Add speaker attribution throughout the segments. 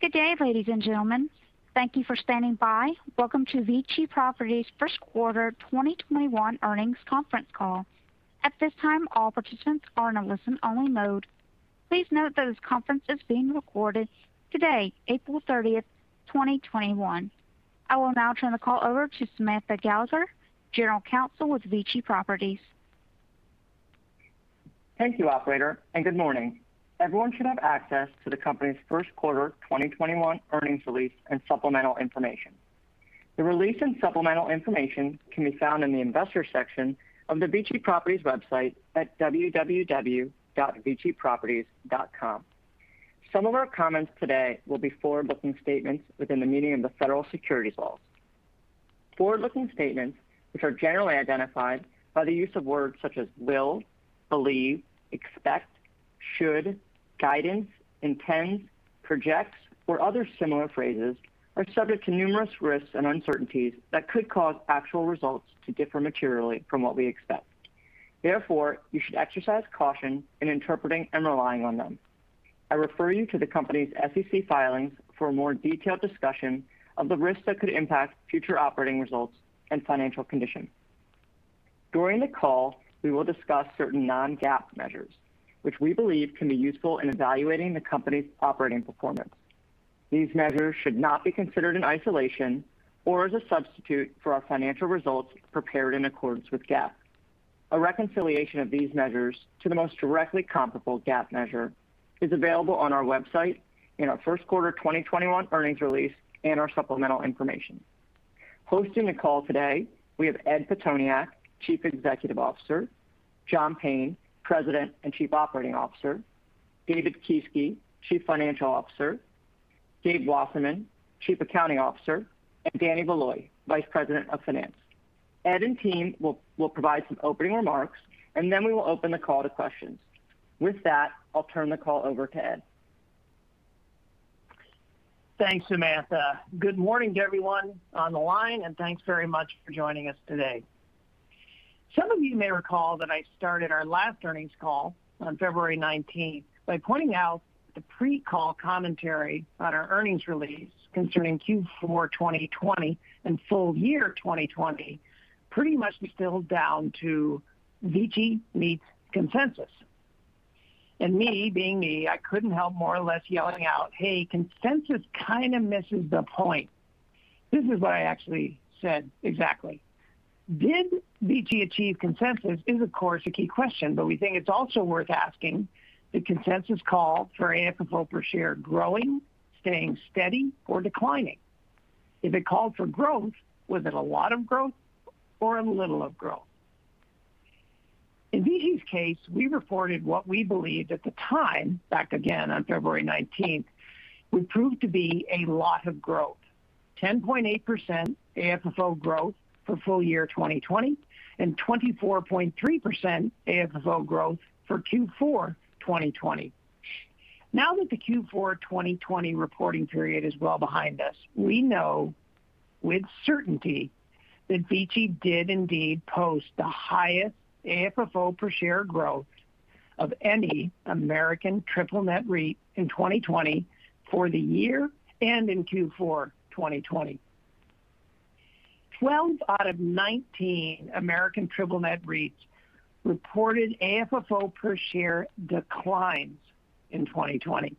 Speaker 1: Good day, ladies and gentlemen. Thank you for standing by. Welcome to VICI Properties' first quarter 2021 earnings conference call. At this time, all participants are in a listen-only mode. Please note that this conference is being recorded today, April 30th, 2021. I will now turn the call over to Samantha Gallagher, General Counsel with VICI Properties.
Speaker 2: Thank you, operator, and good morning. Everyone should have access to the company's first quarter 2021 earnings release and supplemental information. The release and supplemental information can be found in the Investors section of the VICI Properties website at www.viciproperties.com. Some of our comments today will be forward-looking statements within the meaning of the federal securities laws. Forward-looking statements, which are generally identified by the use of words such as will, believe, expect, should, guidance, intend, projects, or other similar phrases, are subject to numerous risks and uncertainties that could cause actual results to differ materially from what we expect. Therefore, you should exercise caution in interpreting and relying on them. I refer you to the company's SEC filings for a more detailed discussion of the risks that could impact future operating results and financial condition. During the call, we will discuss certain non-GAAP measures which we believe can be useful in evaluating the company's operating performance. These measures should not be considered in isolation or as a substitute for our financial results prepared in accordance with GAAP. A reconciliation of these measures to the most directly comparable GAAP measure is available on our website in our first quarter 2021 earnings release and our supplemental information. Hosting the call today, we have Ed Pitoniak, Chief Executive Officer, John Payne, President and Chief Operating Officer, David Kieske, Chief Financial Officer, Gabriel Wasserman, Chief Accounting Officer, and Danny Valoy, Vice President of Finance. Ed and team will provide some opening remarks, and then we will open the call to questions. With that, I'll turn the call over to Ed.
Speaker 3: Thanks, Samantha. Good morning to everyone on the line, thanks very much for joining us today. Some of you may recall that I started our last earnings call on February 19th by pointing out the pre-call commentary on our earnings release concerning Q4 2020 and full year 2020 pretty much distilled down to VICI meets consensus. Me being me, I couldn't help more or less yelling out, "Hey, consensus kind of misses the point." This is what I actually said exactly. Did VICI achieve consensus is of course the key question, but we think it's also worth asking did consensus call for AFFO per share growing, staying steady, or declining? If it called for growth, was it a lot of growth or a little of growth? In VICI's case, we reported what we believed at the time, back again on February 19th, would prove to be a lot of growth, 10.8% AFFO growth for full year 2020 and 24.3% AFFO growth for Q4 2020. Now that the Q4 2020 reporting period is well behind us, we know with certainty that VICI did indeed post the highest AFFO per share growth of any American triple-net REIT in 2020 for the year and in Q4 2020. 12 out of 19 American triple-net REITs reported AFFO per share declines in 2020.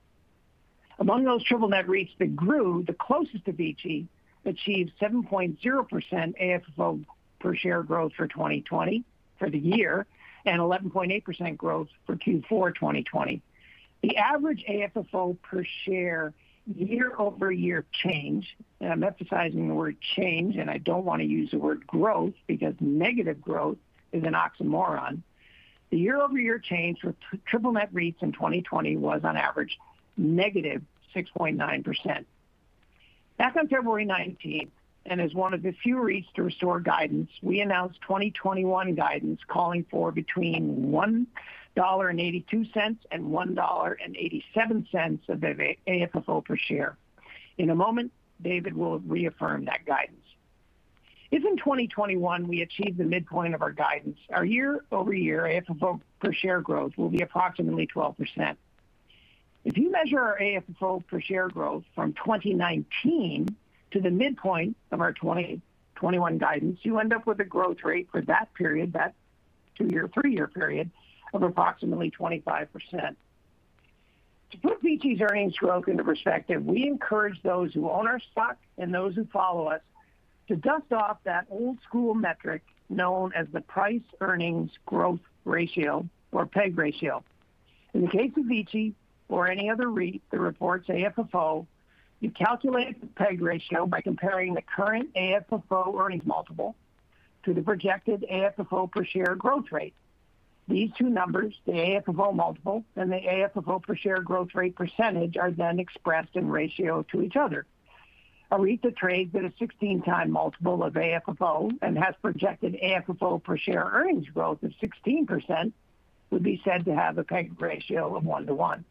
Speaker 3: Among those triple-net REITs that grew, the closest to VICI achieved 7.0% AFFO per share growth for 2020 for the year and 11.8% growth for Q4 2020. The average AFFO per share year-over-year change, and I'm emphasizing the word change, and I don't want to use the word growth because negative growth is an oxymoron. The year-over-year change for triple-net REITs in 2020 was on average -6.9%. Back on February 19th, and as one of the few REITs to restore guidance, we announced 2021 guidance calling for between $1.82 and $1.87 of AFFO per share. In a moment, David will reaffirm that guidance. If in 2021 we achieve the midpoint of our guidance, our year-over-year AFFO per share growth will be approximately 12%. If you measure our AFFO per share growth from 2019 to the midpoint of our 2021 guidance, you end up with a growth rate for that period, that two-year, three-year period, of approximately 25%. To put VICI's earnings growth into perspective, we encourage those who own our stock and those who follow us to dust off that old-school metric known as the price-to-earnings growth ratio or PEG ratio. In the case of VICI or any other REIT that reports AFFO, you calculate the PEG ratio by comparing the current AFFO earnings multiple to the projected AFFO per share growth rate. These two numbers, the AFFO multiple and the AFFO per share growth rate percentage, are then expressed in ratio to each other. A REIT that trades at a 16x multiple of AFFO and has projected AFFO per share earnings growth of 16% would be said to have a PEG ratio of 1:1.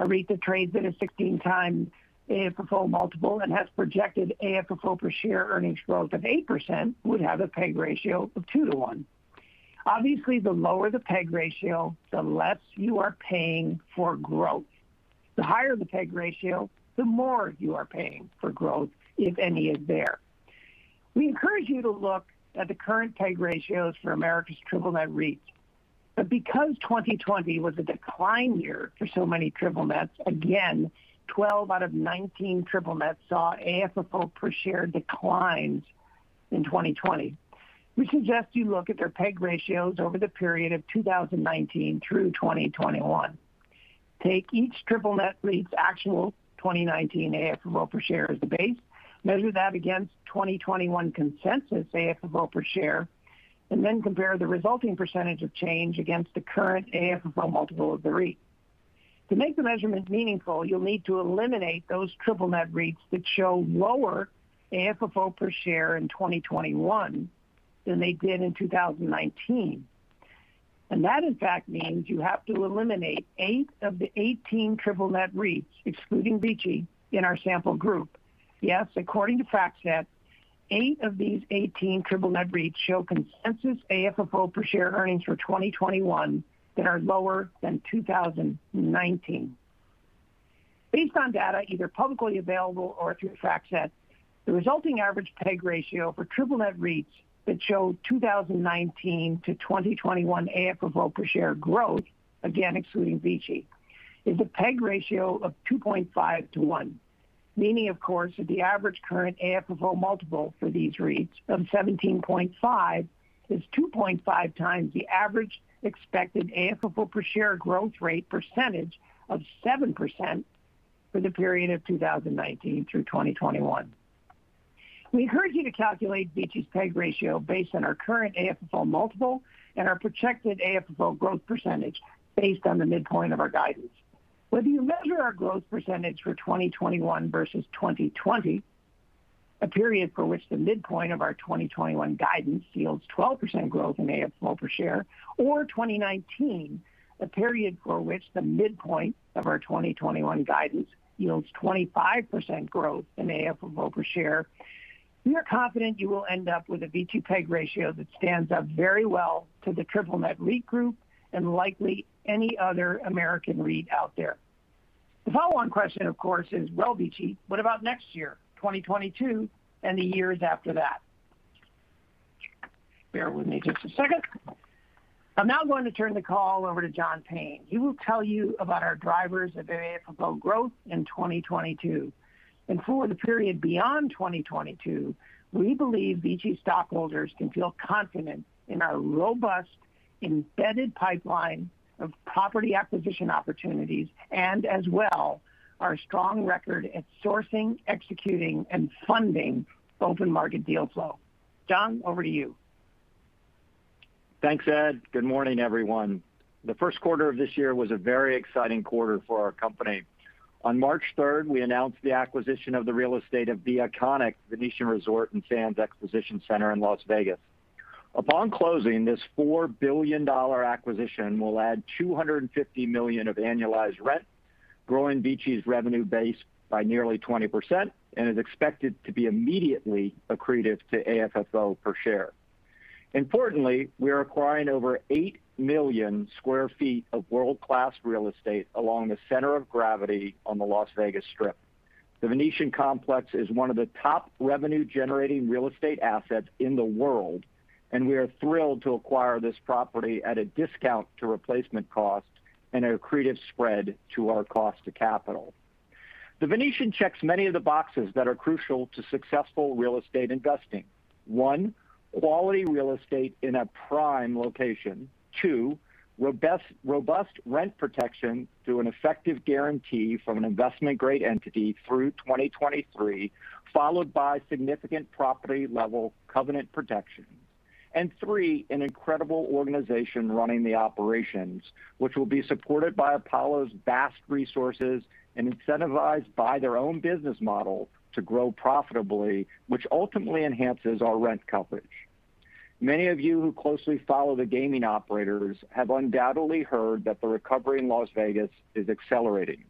Speaker 3: A REIT that trades at a 16x AFFO multiple and has projected AFFO per share earnings growth of 8% would have a PEG ratio of 2:1. Obviously, the lower the PEG ratio, the less you are paying for growth. The higher the PEG ratio, the more you are paying for growth, if any is there. We encourage you to look at the current PEG ratios for America's triple-net REITs. Because 2020 was a decline year for so many triple-nets, again, 12 out of 19 triple-nets saw AFFO per share declines in 2020. We suggest you look at their PEG ratios over the period of 2019 through 2021. Take each triple-net REIT's actual 2019 AFFO per share as the base, measure that against 2021 consensus AFFO per share, and then compare the resulting percentage of change against the current AFFO multiple of the REIT. To make the measurement meaningful, you'll need to eliminate those triple-net REITs that show lower AFFO per share in 2021 than they did in 2019. That, in fact, means you have to eliminate eight of the 18 triple-net REITs, excluding VICI, in our sample group. Yes, according to FactSet, eight of these 18 triple-net REITs show consensus AFFO per share earnings for 2021 that are lower than 2019. Based on data either publicly available or through FactSet, the resulting average PEG ratio for triple-net REITs that show 2019 to 2021 AFFO per share growth, again, excluding VICI, is a PEG ratio of 2.5:1, meaning, of course, that the average current AFFO multiple for these REITs of 17.5 is 2.5x the average expected AFFO per share growth rate percentage of 7% for the period of 2019 through 2021. We encourage you to calculate VICI's PEG ratio based on our current AFFO multiple and our projected AFFO growth percentage based on the midpoint of our guidance. Whether you measure our growth percentage for 2021 versus 2020, a period for which the midpoint of our 2021 guidance yields 12% growth in AFFO per share, or 2019, a period for which the midpoint of our 2021 guidance yields 25% growth in AFFO per share, we are confident you will end up with a VICI PEG ratio that stands up very well to the triple-net REIT group and likely any other American REIT out there. The follow-on question, of course, is, "Well, VICI, what about next year, 2022, and the years after that?" Bear with me just a second. I'm now going to turn the call over to John Payne. He will tell you about our drivers of AFFO growth in 2022. For the period beyond 2022, we believe VICI stockholders can feel confident in our robust, embedded pipeline of property acquisition opportunities and as well our strong record at sourcing, executing, and funding open market deal flow. John, over to you.
Speaker 4: Thanks, Ed. Good morning, everyone. The first quarter of this year was a very exciting quarter for our company. On March 3rd, we announced the acquisition of the real estate of the iconic Venetian Resort and Sands Expo Center in Las Vegas. Upon closing, this $4 billion acquisition will add $250 million of annualized rent, growing VICI's revenue base by nearly 20% and is expected to be immediately accretive to AFFO per share. Importantly, we are acquiring over 8 million sq ft of world-class real estate along the center of gravity on the Las Vegas Strip. The Venetian complex is one of the top revenue-generating real estate assets in the world, and we are thrilled to acquire this property at a discount to replacement cost and an accretive spread to our cost of capital. The Venetian checks many of the boxes that are crucial to successful real estate investing. One, quality real estate in a prime location. Two, robust rent protection through an effective guarantee from an investment-grade entity through 2023, followed by significant property-level covenant protection. Three, an incredible organization running the operations, which will be supported by Apollo's vast resources and incentivized by their own business model to grow profitably, which ultimately enhances our rent coverage. Many of you who closely follow the gaming operators have undoubtedly heard that the recovery in Las Vegas is accelerating.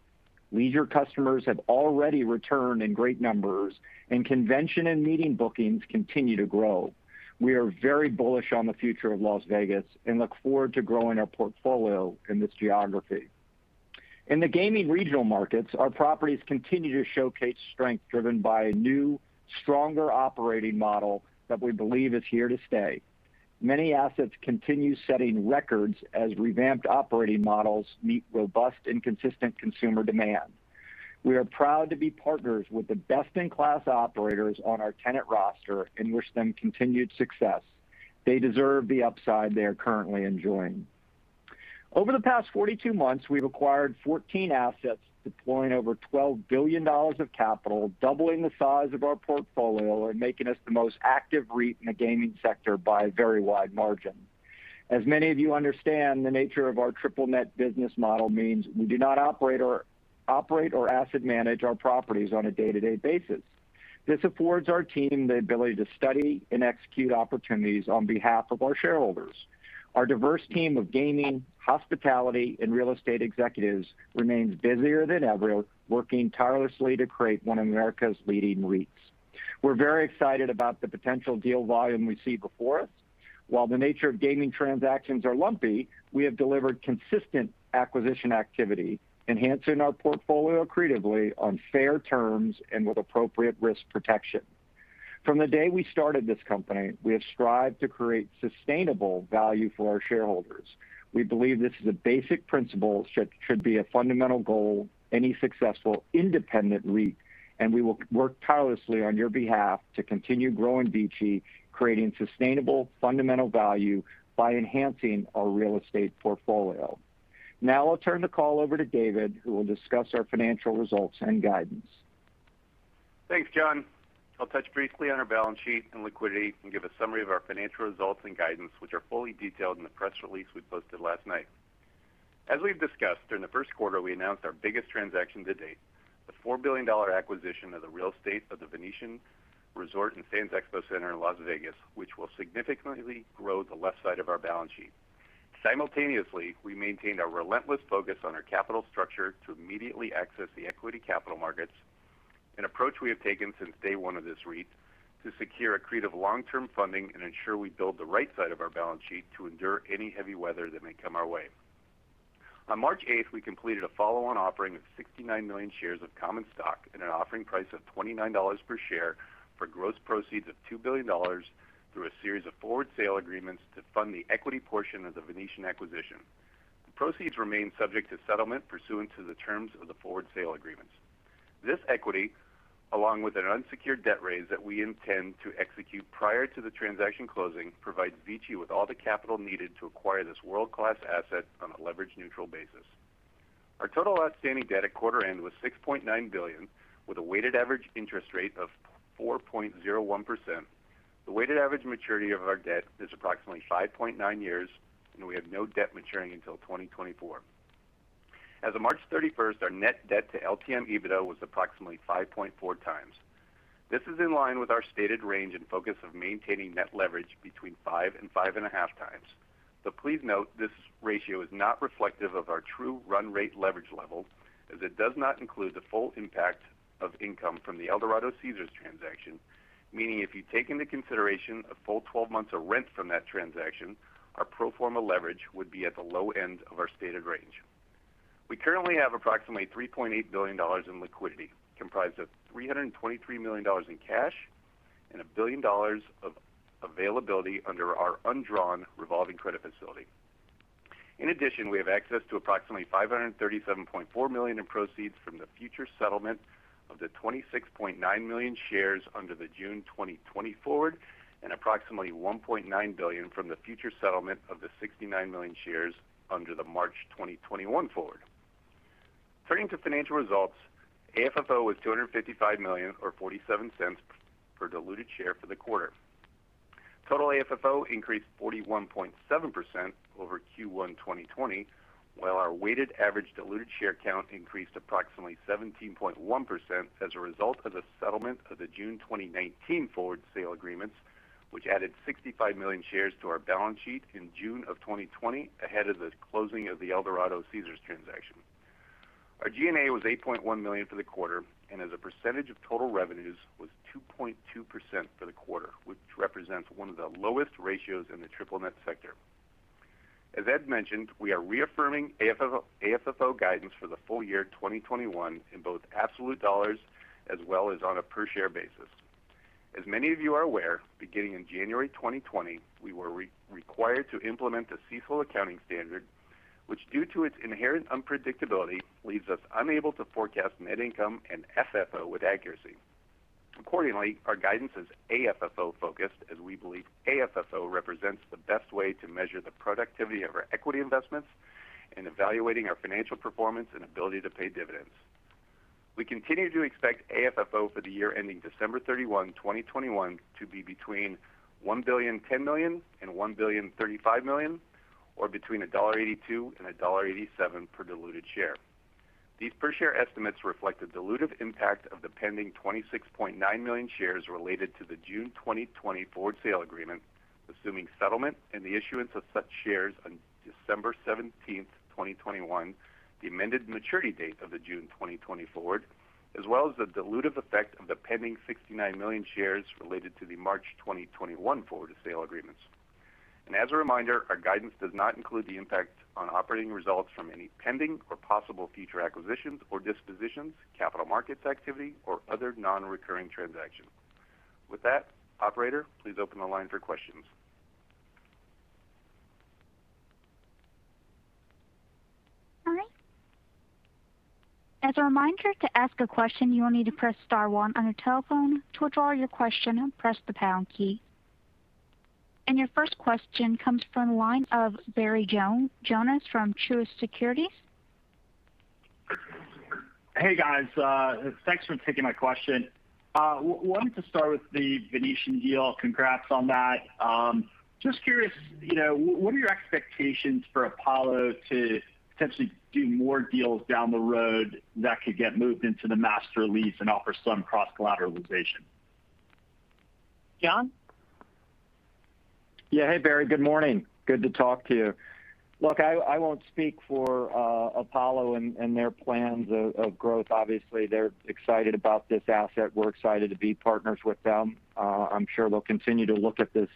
Speaker 4: Leisure customers have already returned in great numbers, and convention and meeting bookings continue to grow. We are very bullish on the future of Las Vegas and look forward to growing our portfolio in this geography. In the gaming regional markets, our properties continue to showcase strength driven by a new, stronger operating model that we believe is here to stay. Many assets continue setting records as revamped operating models meet robust and consistent consumer demand. We are proud to be partners with the best-in-class operators on our tenant roster and wish them continued success. They deserve the upside they are currently enjoying. Over the past 42 months, we've acquired 14 assets, deploying over $12 billion of capital, doubling the size of our portfolio and making us the most active REIT in the gaming sector by a very wide margin. As many of you understand, the nature of our triple-net business model means we do not operate or asset manage our properties on a day-to-day basis. This affords our team the ability to study and execute opportunities on behalf of our shareholders. Our diverse team of gaming, hospitality, and real estate executives remains busier than ever, working tirelessly to create one of America's leading REITs. We're very excited about the potential deal volume we see before us. The nature of gaming transactions are lumpy, we have delivered consistent acquisition activity, enhancing our portfolio accretively on fair terms and with appropriate risk protection. From the day we started this company, we have strived to create sustainable value for our shareholders. We believe this is a basic principle that should be a fundamental goal any successful independent REIT. We will work tirelessly on your behalf to continue growing VICI, creating sustainable fundamental value by enhancing our real estate portfolio. Now I'll turn the call over to David, who will discuss our financial results and guidance.
Speaker 5: Thanks, John. I'll touch briefly on our balance sheet and liquidity and give a summary of our financial results and guidance, which are fully detailed in the press release we posted last night. As we've discussed, during the first quarter, we announced our biggest transaction to date, the $4 billion acquisition of the real estate of The Venetian Resort and Sands Expo Center in Las Vegas, which will significantly grow the left side of our balance sheet. Simultaneously, we maintained a relentless focus on our capital structure to immediately access the equity capital markets, an approach we have taken since day one of this REIT to secure accretive long-term funding and ensure we build the right side of our balance sheet to endure any heavy weather that may come our way. On March 8th, we completed a follow-on offering of 69 million shares of common stock at an offering price of $29 per share for gross proceeds of $2 billion through a series of forward sale agreements to fund the equity portion of The Venetian acquisition. The proceeds remain subject to settlement pursuant to the terms of the forward sale agreements. This equity, along with an unsecured debt raise that we intend to execute prior to the transaction closing, provides VICI with all the capital needed to acquire this world-class asset on a leverage-neutral basis. Our total outstanding debt at quarter end was $6.9 billion with a weighted average interest rate of 4.01%. We have no debt maturing until 2024. As of March 31st, our net debt to LTM EBITDA was approximately 5.4x. This is in line with our stated range and focus of maintaining net leverage between 5.0x and 5.5x. Please note this ratio is not reflective of our true run rate leverage level as it does not include the full impact of income from the Eldorado-Caesars transaction, meaning if you take into consideration a full 12 months of rent from that transaction, our pro forma leverage would be at the low end of our stated range. We currently have approximately $3.8 billion in liquidity, comprised of $323 million in cash and $1 billion of availability under our undrawn revolving credit facility. In addition, we have access to approximately $537.4 million in proceeds from the future settlement of the 26.9 million shares under the June 2020 forward, and approximately $1.9 billion from the future settlement of the 69 million shares under the March 2021 forward. Turning to financial results, AFFO was $255 million, or $0.47 per diluted share for the quarter. Total AFFO increased 41.7% over Q1 2020, while our weighted average diluted share count increased approximately 17.1% as a result of the settlement of the June 2019 forward sale agreements, which added 65 million shares to our balance sheet in June of 2020 ahead of the closing of the Eldorado-Caesars transaction. Our G&A was $8.1 million for the quarter, and as a percentage of total revenues was 2.2% for the quarter, which represents one of the lowest ratios in the triple-net sector. As Ed mentioned, we are reaffirming AFFO guidance for the full year 2021 in both absolute dollars as well as on a per share basis. As many of you are aware, beginning in January 2020, we were required to implement the CECL accounting standard, which due to its inherent unpredictability, leaves us unable to forecast net income and FFO with accuracy. Accordingly, our guidance is AFFO focused as we believe AFFO represents the best way to measure the productivity of our equity investments in evaluating our financial performance and ability to pay dividends. We continue to expect AFFO for the year ending December 31, 2021 to be between $1,010 million and $1,035 million, or between a $1.82 and $1.87 per diluted share. These per share estimates reflect the dilutive impact of the pending 26.9 million shares related to the June 2020 forward sale agreement, assuming settlement and the issuance of such shares on December 17th, 2021, the amended maturity date of the June 2020 forward, as well as the dilutive effect of the pending 69 million shares related to the March 2021 forward sale agreements. As a reminder, our guidance does not include the impact on operating results from any pending or possible future acquisitions or dispositions, capital markets activity, or other non-recurring transactions. With that, operator, please open the line for questions.
Speaker 1: All right. As a reminder to ask a question, you'll need to press star one on your telephone to withdraw your question and press the pound key. Your first question comes from the line of Barry Jonas from Truist Securities.
Speaker 6: Hey guys. Thanks for taking my question. Wanted to start with The Venetian deal. Congrats on that. Just curious, what are your expectations for Apollo to potentially do more deals down the road that could get moved into the master lease and offer some cross-collateralization?
Speaker 4: Yeah. Hey, Barry. Good morning. Good to talk to you. Look, I won't speak for Apollo and their plans of growth. Obviously, they're excited about this asset. We're excited to be partners with them. I'm sure they'll continue to look at this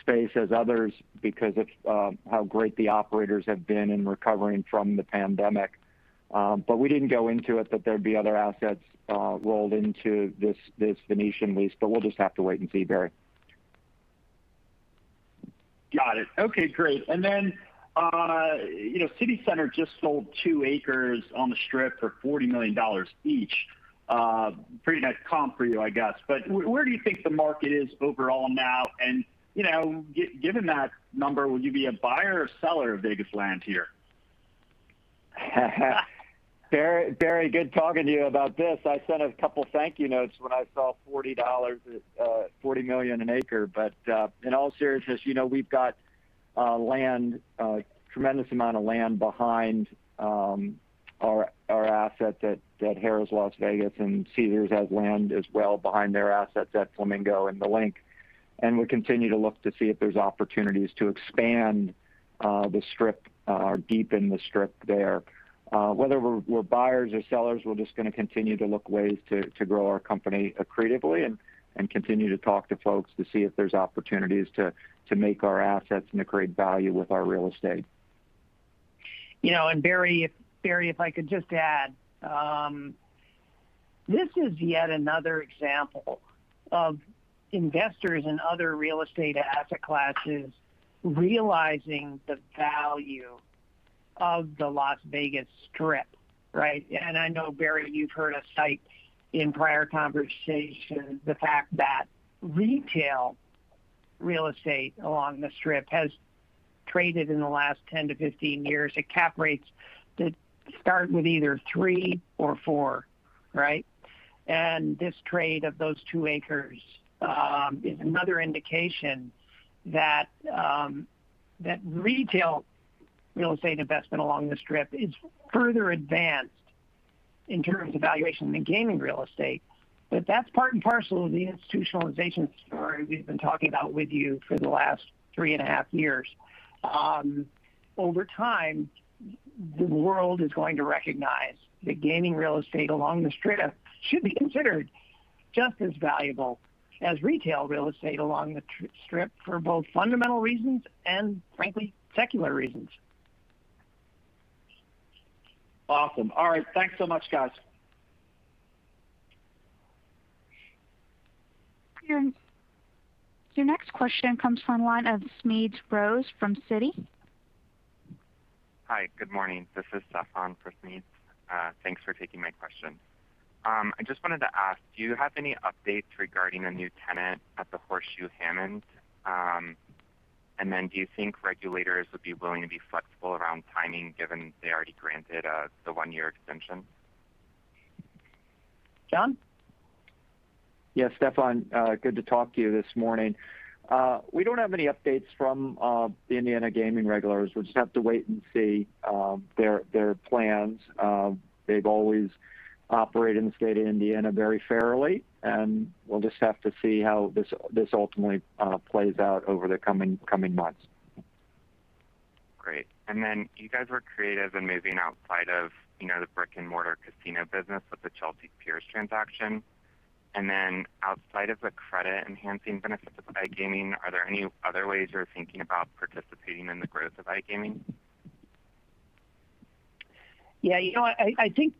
Speaker 4: space as others because of how great the operators have been in recovering from the pandemic. We didn't go into it that there'd be other assets rolled into this Venetian lease, but we'll just have to wait and see, Barry.
Speaker 6: Got it. Okay, great. CityCenter just sold two acres on the Strip for $40 million each. Pretty nice comp for you, I guess. Where do you think the market is overall now? Given that number, will you be a buyer or seller of Vegas land here?
Speaker 4: Barry, good talking to you about this. I sent a couple of thank you notes when I saw $40 million an acre. In all seriousness, we've got a tremendous amount of land behind our asset at Harrah's Las Vegas, and Caesars has land as well behind their assets at Flamingo and The LINQ. We continue to look to see if there's opportunities to expand the Strip or deepen the Strip there. Whether we're buyers or sellers, we're just going to continue to look ways to grow our company accretively and continue to talk to folks to see if there's opportunities to make our assets and accrete value with our real estate.
Speaker 3: Barry, if I could just add. This is yet another example of investors in other real estate asset classes realizing the value of the Las Vegas Strip, right? I know, Barry, you've heard us cite in prior conversations the fact that retail real estate along the Strip has traded in the last 10 to 15 years at cap rates that start with either 3% or 4%, right? This trade of those two acres is another indication that retail real estate investment along the Strip is further advanced in terms of valuation than gaming real estate. That's part and parcel of the institutionalization story we've been talking about with you for the last three and a half years. Over time, the world is going to recognize that gaming real estate along the Strip should be considered just as valuable as retail real estate along the Strip for both fundamental reasons and, frankly, secular reasons.
Speaker 6: Awesome. All right. Thanks so much, guys.
Speaker 1: Your next question comes from the line of Smedes Rose from Citi.
Speaker 7: Hi, good morning. This is Stefan from Smedes. Thanks for taking my question. I just wanted to ask, do you have any updates regarding a new tenant at the Horseshoe Hammond? Do you think regulators would be willing to be flexible around timing, given they already granted the one-year extension?
Speaker 3: John?
Speaker 4: Yeah, Stefan, good to talk to you this morning. We don't have any updates from the Indiana gaming regulators. We'll just have to wait and see their plans. They've always operated in the state of Indiana very fairly, and we'll just have to see how this ultimately plays out over the coming months.
Speaker 7: Great. You guys were creative in moving outside of the brick-and-mortar casino business with the Chelsea Piers transaction. Outside of the credit enhancing benefits of iGaming, are there any other ways you're thinking about participating in the growth of iGaming?
Speaker 3: Yeah. You know what? I think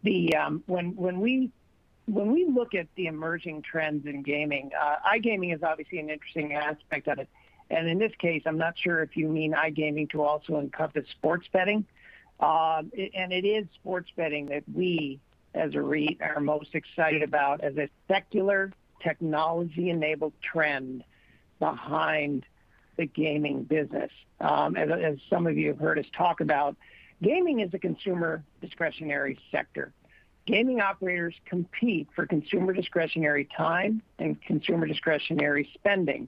Speaker 3: when we look at the emerging trends in gaming, iGaming is obviously an interesting aspect of it. In this case, I'm not sure if you mean iGaming to also encompass sports betting. It is sports betting that we, as a REIT, are most excited about as a secular technology-enabled trend behind the gaming business. As some of you have heard us talk about, gaming is a consumer discretionary sector. Gaming operators compete for consumer discretionary time and consumer discretionary spending.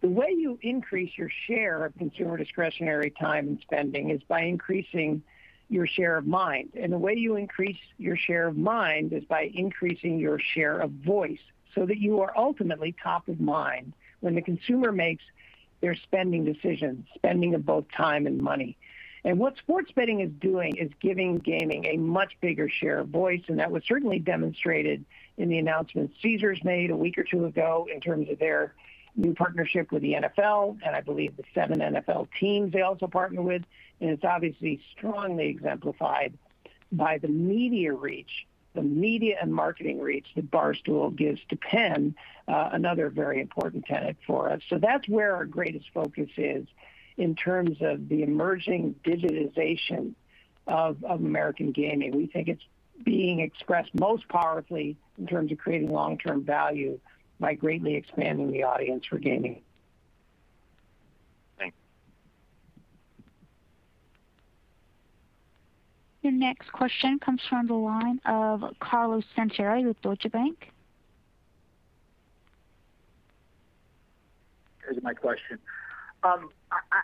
Speaker 3: The way you increase your share of consumer discretionary time and spending is by increasing your share of mind. The way you increase your share of mind is by increasing your share of voice so that you are ultimately top of mind when the consumer makes their spending decisions, spending of both time and money. What sports betting is doing is giving gaming a much bigger share of voice, and that was certainly demonstrated in the announcement Caesars made a week or two ago in terms of their new partnership with the NFL and I believe the seven NFL teams they also partner with. It's obviously strongly exemplified by the media reach, the media and marketing reach that Barstool gives to Penn, another very important tenant for us. That's where our greatest focus is in terms of the emerging digitization of American gaming. We think it's being expressed most powerfully in terms of creating long-term value by greatly expanding the audience for gaming.
Speaker 7: Thanks.
Speaker 1: Your next question comes from the line of Carlo Santarelli with Deutsche Bank.
Speaker 8: Here's my question.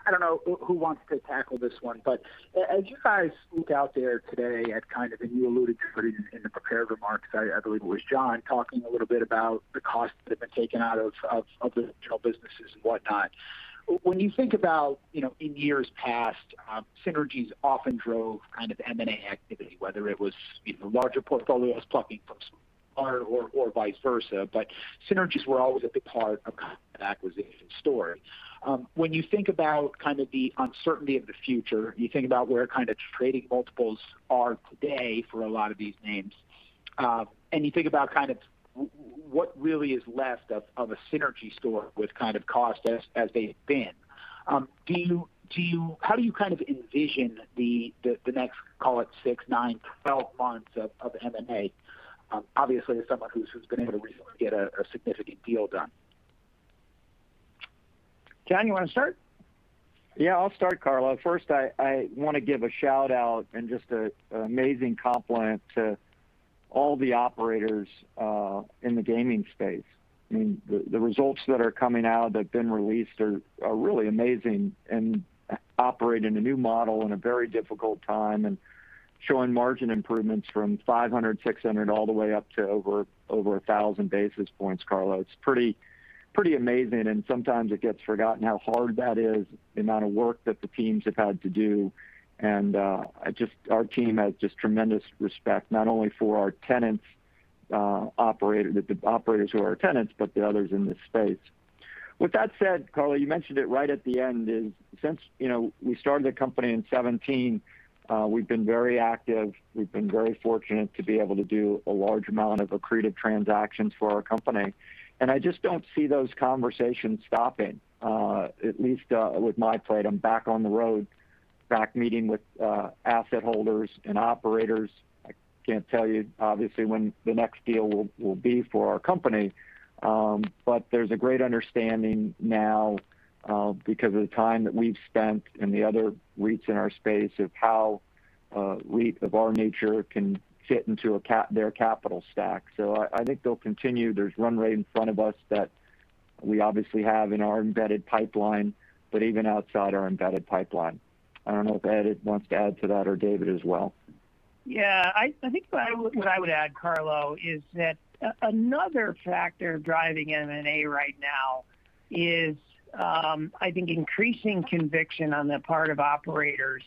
Speaker 8: I don't know who wants to tackle this one. As you guys look out there today at kind of-- And you alluded to it in the prepared remarks, I believe it was John, talking a little bit about the costs that have been taken out of the general businesses and whatnot. When you think about, in years past, synergies often drove kind of M&A activity, whether it was larger portfolios plucking from smaller or vice versa. Synergies were always a big part of kind of an acquisition story. When you think about kind of the uncertainty of the future, you think about where kind of trading multiples are today for a lot of these names. You think about kind of what really is left of a synergy story with kind of cost as they have been. How do you kind of envision the next, call it six, nine, 12 months of M&A? Obviously as someone who's been able to recently get a significant deal done.
Speaker 3: John, you want to start?
Speaker 4: Yeah, I'll start, Carlo. First, I want to give a shout-out and just an amazing compliment to all the operators in the gaming space. I mean, the results that are coming out that have been released are really amazing, and operating a new model in a very difficult time and showing margin improvements from 500, 600 all the way up to over 1,000 basis points, Carlo. It's pretty amazing, and sometimes it gets forgotten how hard that is, the amount of work that the teams have had to do. Our team has just tremendous respect, not only for the operators who are our tenants, but the others in this space. With that said, Carlo, you mentioned it right at the end, is since we started the company in 2017, we've been very active. We've been very fortunate to be able to do a large amount of accretive transactions for our company, I just don't see those conversations stopping. At least with my plate, I'm back on the road, back meeting with asset holders and operators. I can't tell you, obviously, when the next deal will be for our company. There's a great understanding now because of the time that we've spent and the other REITs in our space of how a REIT of our nature can fit into their capital stack. I think they'll continue. There's runway in front of us that we obviously have in our embedded pipeline, but even outside our embedded pipeline. I don't know if Ed wants to add to that or David as well.
Speaker 3: I think what I would add, Carlo, is that another factor driving M&A right now is I think increasing conviction on the part of operators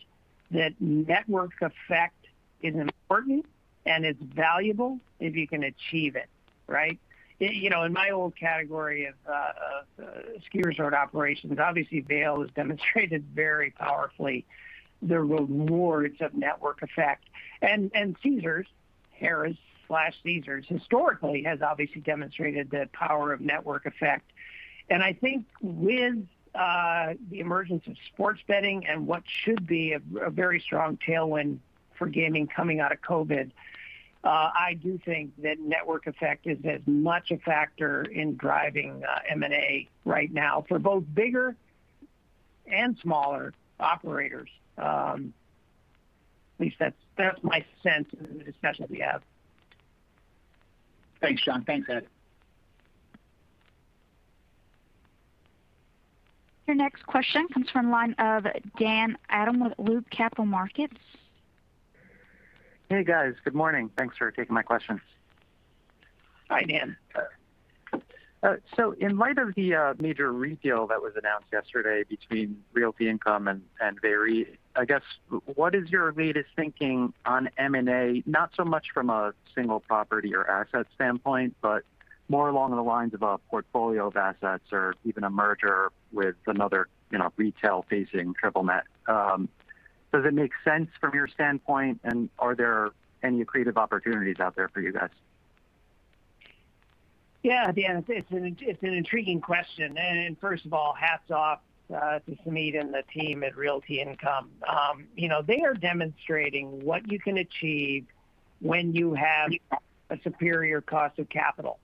Speaker 3: that network effect is important and it's valuable if you can achieve it. Right? In my old category of ski resort operations, obviously Vail has demonstrated very powerfully the rewards of network effect. Caesars, Harrah's-Caesars historically has obviously demonstrated the power of network effect. I think with the emergence of sports betting and what should be a very strong tailwind for gaming coming out of COVID, I do think that network effect is as much a factor in driving M&A right now for both bigger and smaller operators. At least that's my sense in the discussions we have.
Speaker 8: Thanks, John. Thanks, Ed.
Speaker 1: Your next question comes from the line of Dan Adam with Loop Capital Markets.
Speaker 9: Hey, guys. Good morning. Thanks for taking my questions.
Speaker 3: Hi, Dan.
Speaker 9: In light of the major deal that was announced yesterday between Realty Income and VEREIT, I guess what is your latest thinking on M&A, not so much from a single property or asset standpoint, but more along the lines of a portfolio of assets or even a merger with another retail-facing triple-net? Does it make sense from your standpoint, and are there any accretive opportunities out there for you guys?
Speaker 3: Yeah, Dan, it's an intriguing question. First of all, hats off to Sumit and the team at Realty Income. They are demonstrating what you can achieve when you have a superior cost of capital.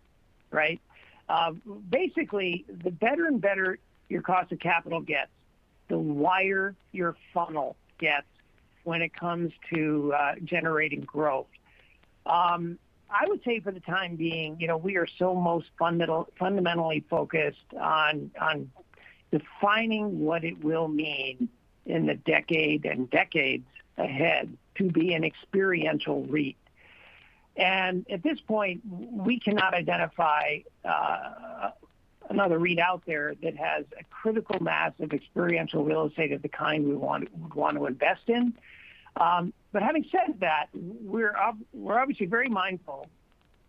Speaker 3: Right? Basically, the better and better your cost of capital gets, the wider your funnel gets when it comes to generating growth. I would say for the time being we are so most fundamentally focused on defining what it will mean in the decade and decades ahead to be an experiential REIT. At this point, we cannot identify another REIT out there that has a critical mass of experiential real estate of the kind we'd want to invest in. Having said that, we're obviously very mindful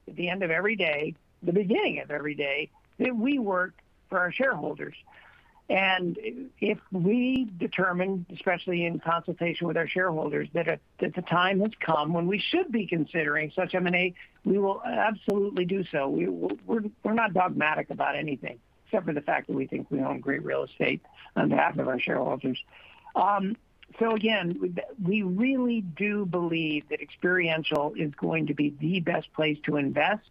Speaker 3: at the end of every day, the beginning of every day, that we work for our shareholders. If we determine, especially in consultation with our shareholders, that the time has come when we should be considering such M&A, we will absolutely do so. We're not dogmatic about anything except for the fact that we think we own great real estate on behalf of our shareholders. Again, we really do believe that experiential is going to be the best place to invest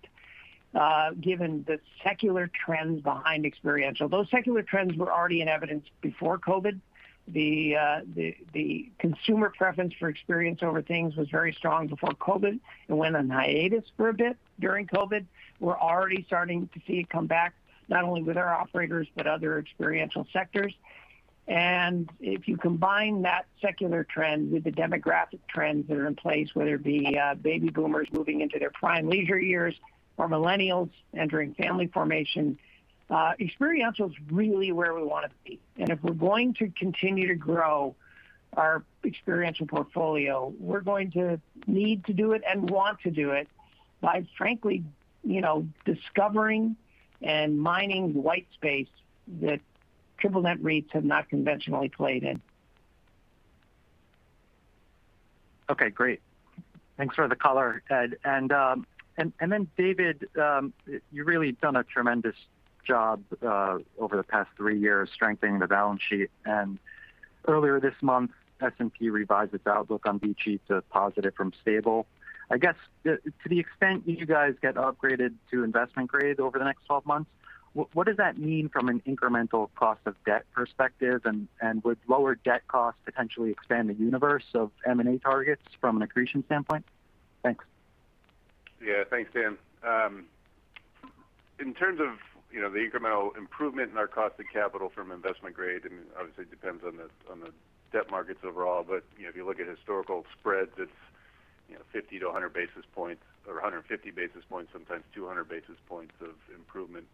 Speaker 3: given the secular trends behind experiential. Those secular trends were already in evidence before COVID. The consumer preference for experience over things was very strong before COVID. It went on hiatus for a bit during COVID. We're already starting to see it come back, not only with our operators, but other experiential sectors. If you combine that secular trend with the demographic trends that are in place, whether it be baby boomers moving into their prime leisure years or millennials entering family formation, experiential is really where we want to be. If we're going to continue to grow our experiential portfolio, we're going to need to do it and want to do it by frankly, discovering and mining the white space that triple-net REITs have not conventionally played in.
Speaker 9: Okay, great. Thanks for the color, Ed. David, you've really done a tremendous job over the past three years strengthening the balance sheet. Earlier this month, S&P revised its outlook on VICI to positive from stable. I guess, to the extent that you guys get upgraded to investment-grade over the next 12 months, what does that mean from an incremental cost of debt perspective, and would lower debt costs potentially expand the universe of M&A targets from an accretion standpoint? Thanks.
Speaker 5: Thanks, Adam. In terms of the incremental improvement in our cost of capital from investment-grade, obviously it depends on the debt markets overall, but if you look at historical spreads, it's 50 to 100 basis points or 150 basis points, sometimes 200 basis points of improvement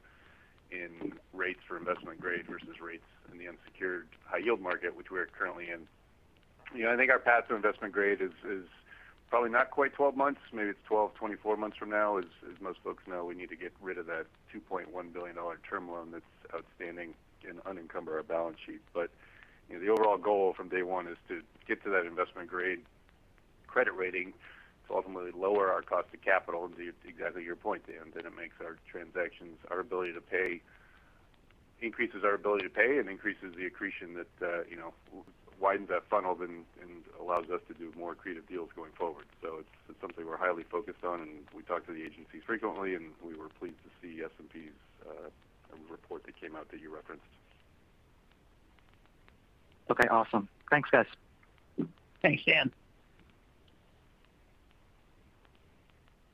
Speaker 5: in rates for investment-grade versus rates in the unsecured high-yield market, which we're currently in. I think our path to investment-grade is probably not quite 12 months. Maybe it's 12, 24 months from now. As most folks know, we need to get rid of that $2.1 billion term loan that's outstanding and unencumber our balance sheet. The overall goal from day one is to get to that investment-grade credit rating to ultimately lower our cost of capital. To exactly your point, Dan, then it makes our transactions, increases our ability to pay, and increases the accretion that widens that funnel and allows us to do more accretive deals going forward. It's something we're highly focused on, and we talk to the agencies frequently, and we were pleased to see S&P's report that came out that you referenced.
Speaker 9: Okay, awesome. Thanks, guys.
Speaker 3: Thanks, Dan.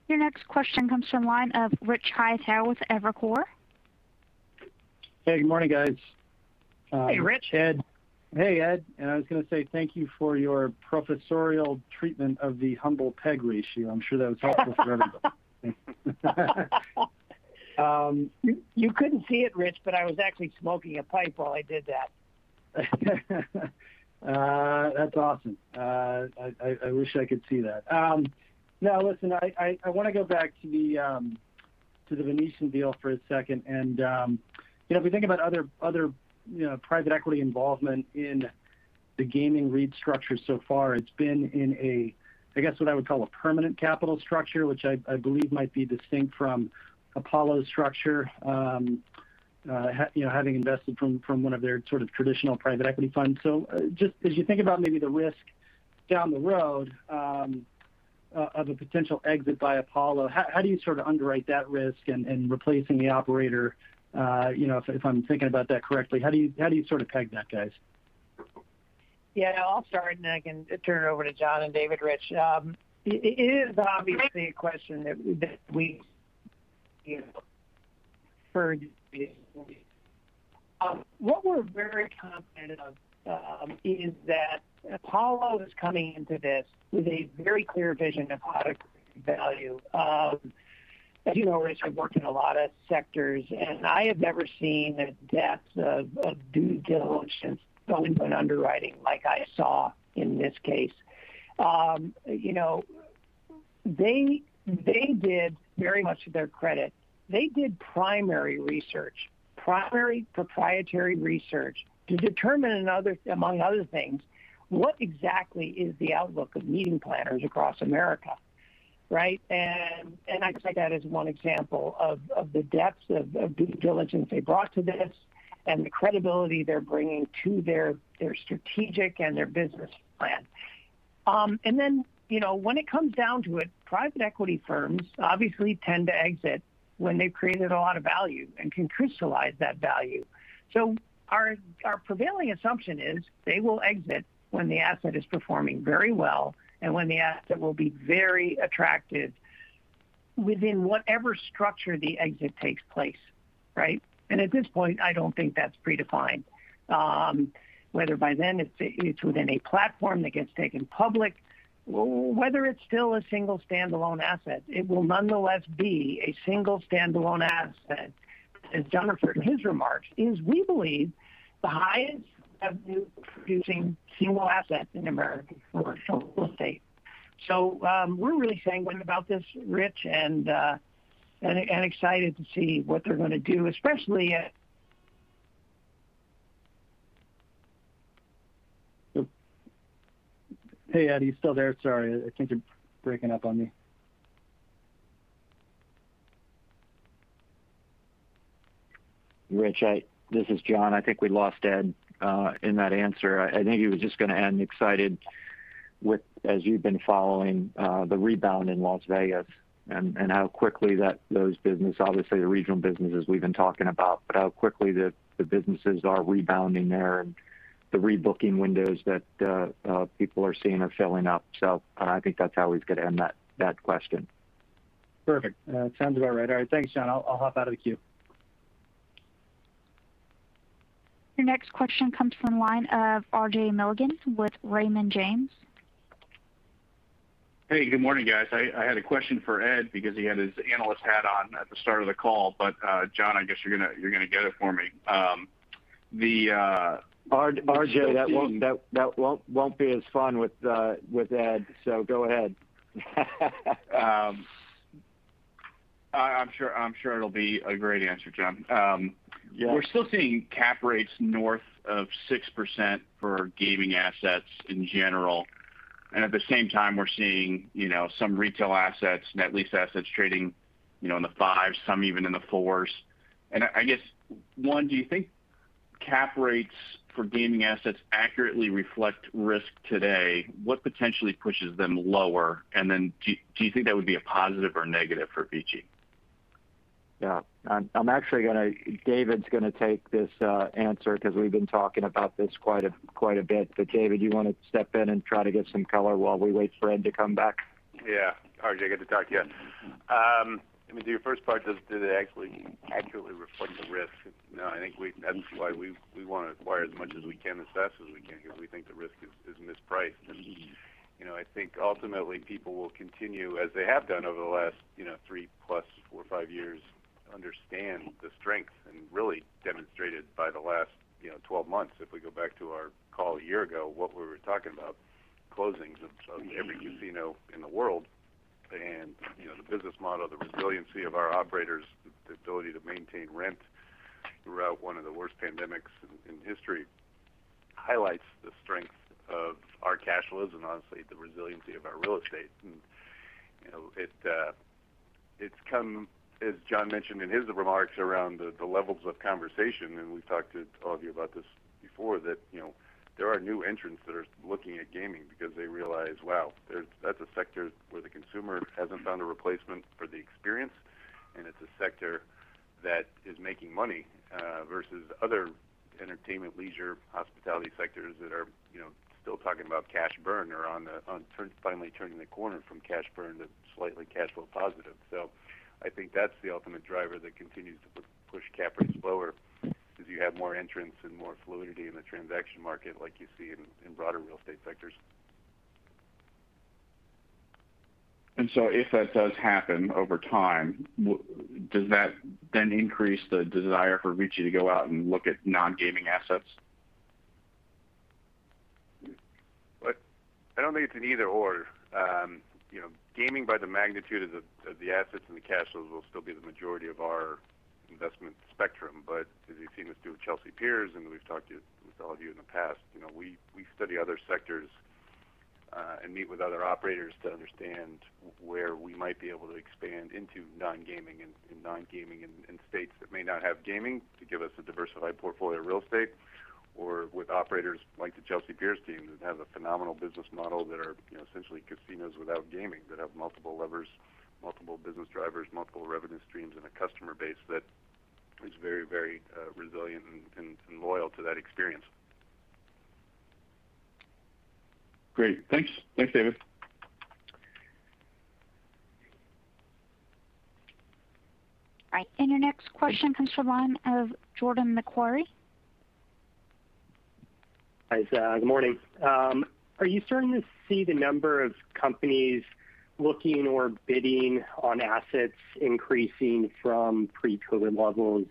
Speaker 1: Your next question comes from the line of Richard Hightower with Evercore.
Speaker 10: Hey, good morning, guys.
Speaker 3: Hey, Rich.
Speaker 10: Ed. Hey, Ed. I was going to say thank you for your professorial treatment of the humble PEG ratio. I am sure that was helpful for everybody.
Speaker 3: You couldn't see it, Rich, but I was actually smoking a pipe while I did that.
Speaker 10: That's awesome. I wish I could see that. Listen, I want to go back to The Venetian deal for a second. If we think about other private equity involvement in the gaming REIT structure so far, it's been in a, I guess what I would call a permanent capital structure, which I believe might be distinct from Apollo's structure, having invested from one of their sort of traditional private equity funds. Just as you think about maybe the risk down the road of a potential exit by Apollo, how do you sort of underwrite that risk and replacing the operator? If I'm thinking about that correctly, how do you sort of peg that, guys?
Speaker 3: I'll start, and then I can turn it over to John and David, Rich. It is obviously a question that we hear frequently. What we're very confident of is that Apollo is coming into this with a very clear vision of how to create value. As you know, Rich, I've worked in a lot of sectors, and I have never seen the depths of due diligence go into an underwriting like I saw in this case. They did very much to their credit. They did primary research, primary proprietary research to determine, among other things, what exactly is the outlook of meeting planners across America, right? I'd say that is one example of the depths of due diligence they brought to this and the credibility they're bringing to their strategic and their business plan. When it comes down to it, private equity firms obviously tend to exit when they've created a lot of value and can crystallize that value. Our prevailing assumption is they will exit when the asset is performing very well and when the asset will be very attractive within whatever structure the exit takes place. Right. At this point, I don't think that's predefined. Whether by then it's within a platform that gets taken public, whether it's still a single standalone asset, it will nonetheless be a single standalone asset. As John Payne referred to in his remarks, is we believe the highest revenue-producing single asset in American commercial real estate. We're really sanguine about this, Richard Hightower, and excited to see what they're going to do.
Speaker 10: Hey, Ed, are you still there? Sorry, I think you're breaking up on me.
Speaker 4: Richard, this is John. I think we lost Ed in that answer. I think he was just going to end excited with, as you've been following the rebound in Las Vegas and how quickly those business, obviously the regional businesses we've been talking about, but how quickly the businesses are rebounding there and the rebooking windows that people are seeing are filling up. I think that's how he's going to end that question.
Speaker 10: Perfect. Sounds about right. All right. Thanks, John. I'll hop out of the queue.
Speaker 1: Your next question comes from the line of R.J. Milligan with Raymond James.
Speaker 11: Hey. Good morning, guys. I had a question for Ed because he had his analyst hat on at the start of the call. John, I guess you're going to get it for me.
Speaker 4: R.J., that won't be as fun with Ed, so go ahead.
Speaker 11: I'm sure it'll be a great answer, John.
Speaker 4: Yeah.
Speaker 11: We're still seeing cap rates north of 6% for gaming assets in general. At the same time, we're seeing some retail assets, net lease assets trading in the 5s, some even in the 4s. I guess, one, do you think cap rates for gaming assets accurately reflect risk today? What potentially pushes them lower? Do you think that would be a positive or negative for VICI?
Speaker 4: Yeah. David's going to take this answer because we've been talking about this quite a bit. David, you want to step in and try to give some color while we wait for Ed to come back?
Speaker 5: Yeah. R.J., good to talk to you. To your first part, does it actually accurately reflect the risk? No, I think that's why we want to acquire as much as we can, assess as we can, because we think the risk is mispriced. I think ultimately people will continue, as they have done over the last three plus four or five years, understand the strength and really demonstrated by the last 12 months. If we go back to our call a year ago, what we were talking about, closings of every casino in the world. The business model, the resiliency of our operators, the ability to maintain rent throughout one of the worst pandemics in history highlights the strength of our cash flows and honestly the resiliency of our real estate. It's come, as John mentioned in his remarks around the levels of conversation, and we've talked to all of you about this before, that there are new entrants that are looking at gaming because they realize, wow, that's a sector where the consumer hasn't found a replacement for the experience. It's a sector that is making money versus other entertainment, leisure, hospitality sectors that are still talking about cash burn or on finally turning the corner from cash burn to slightly cash flow positive. I think that's the ultimate driver that continues to push cap rates lower because you have more entrants and more fluidity in the transaction market like you see in broader real estate sectors.
Speaker 11: If that does happen over time, does that then increase the desire for VICI to go out and look at non-gaming assets?
Speaker 5: Look, I don't think it's an either/or. Gaming by the magnitude of the assets and the cash flows will still be the majority of our investment spectrum. As you've seen us do with Chelsea Piers, and we've talked with all of you in the past, we study other sectors and meet with other operators to understand where we might be able to expand into non-gaming and non-gaming in states that may not have gaming to give us a diversified portfolio of real estate. With operators like the Chelsea Piers team that have a phenomenal business model, that are essentially casinos without gaming, that have multiple levers, multiple business drivers, multiple revenue streams, and a customer base that is very resilient and loyal to that experience.
Speaker 11: Great. Thanks, David.
Speaker 1: All right. Your next question comes from the line of Jordan Macquarie.
Speaker 12: Guys, good morning. Are you starting to see the number of companies looking or bidding on assets increasing from pre-COVID levels?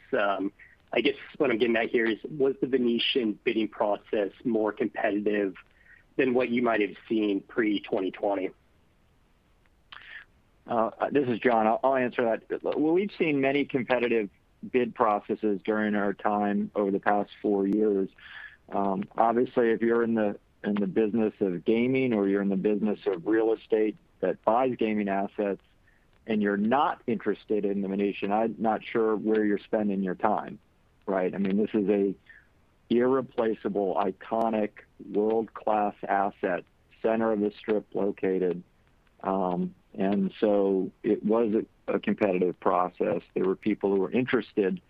Speaker 12: I guess what I'm getting at here is, was the Venetian bidding process more competitive than what you might have seen pre-2020?
Speaker 4: This is John. I'll answer that. Well, we've seen many competitive bid processes during our time over the past four years. Obviously, if you're in the business of gaming or you're in the business of real estate that buys gaming assets and you're not interested in the Venetian, I'm not sure where you're spending your time, right? This is a irreplaceable, iconic, world-class asset, center of the Strip located. It was a competitive process. There were people who were interested in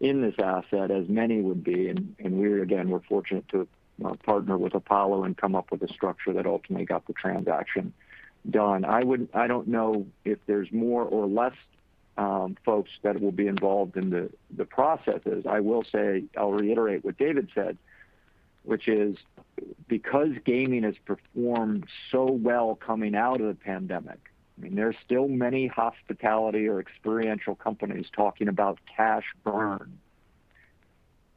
Speaker 4: this asset, as many would be, and we again, were fortunate to partner with Apollo and come up with a structure that ultimately got the transaction done. I don't know if there's more or less folks that will be involved in the processes. I will say, I'll reiterate what David said, which is because gaming has performed so well coming out of the pandemic, there's still many hospitality or experiential companies talking about cash burn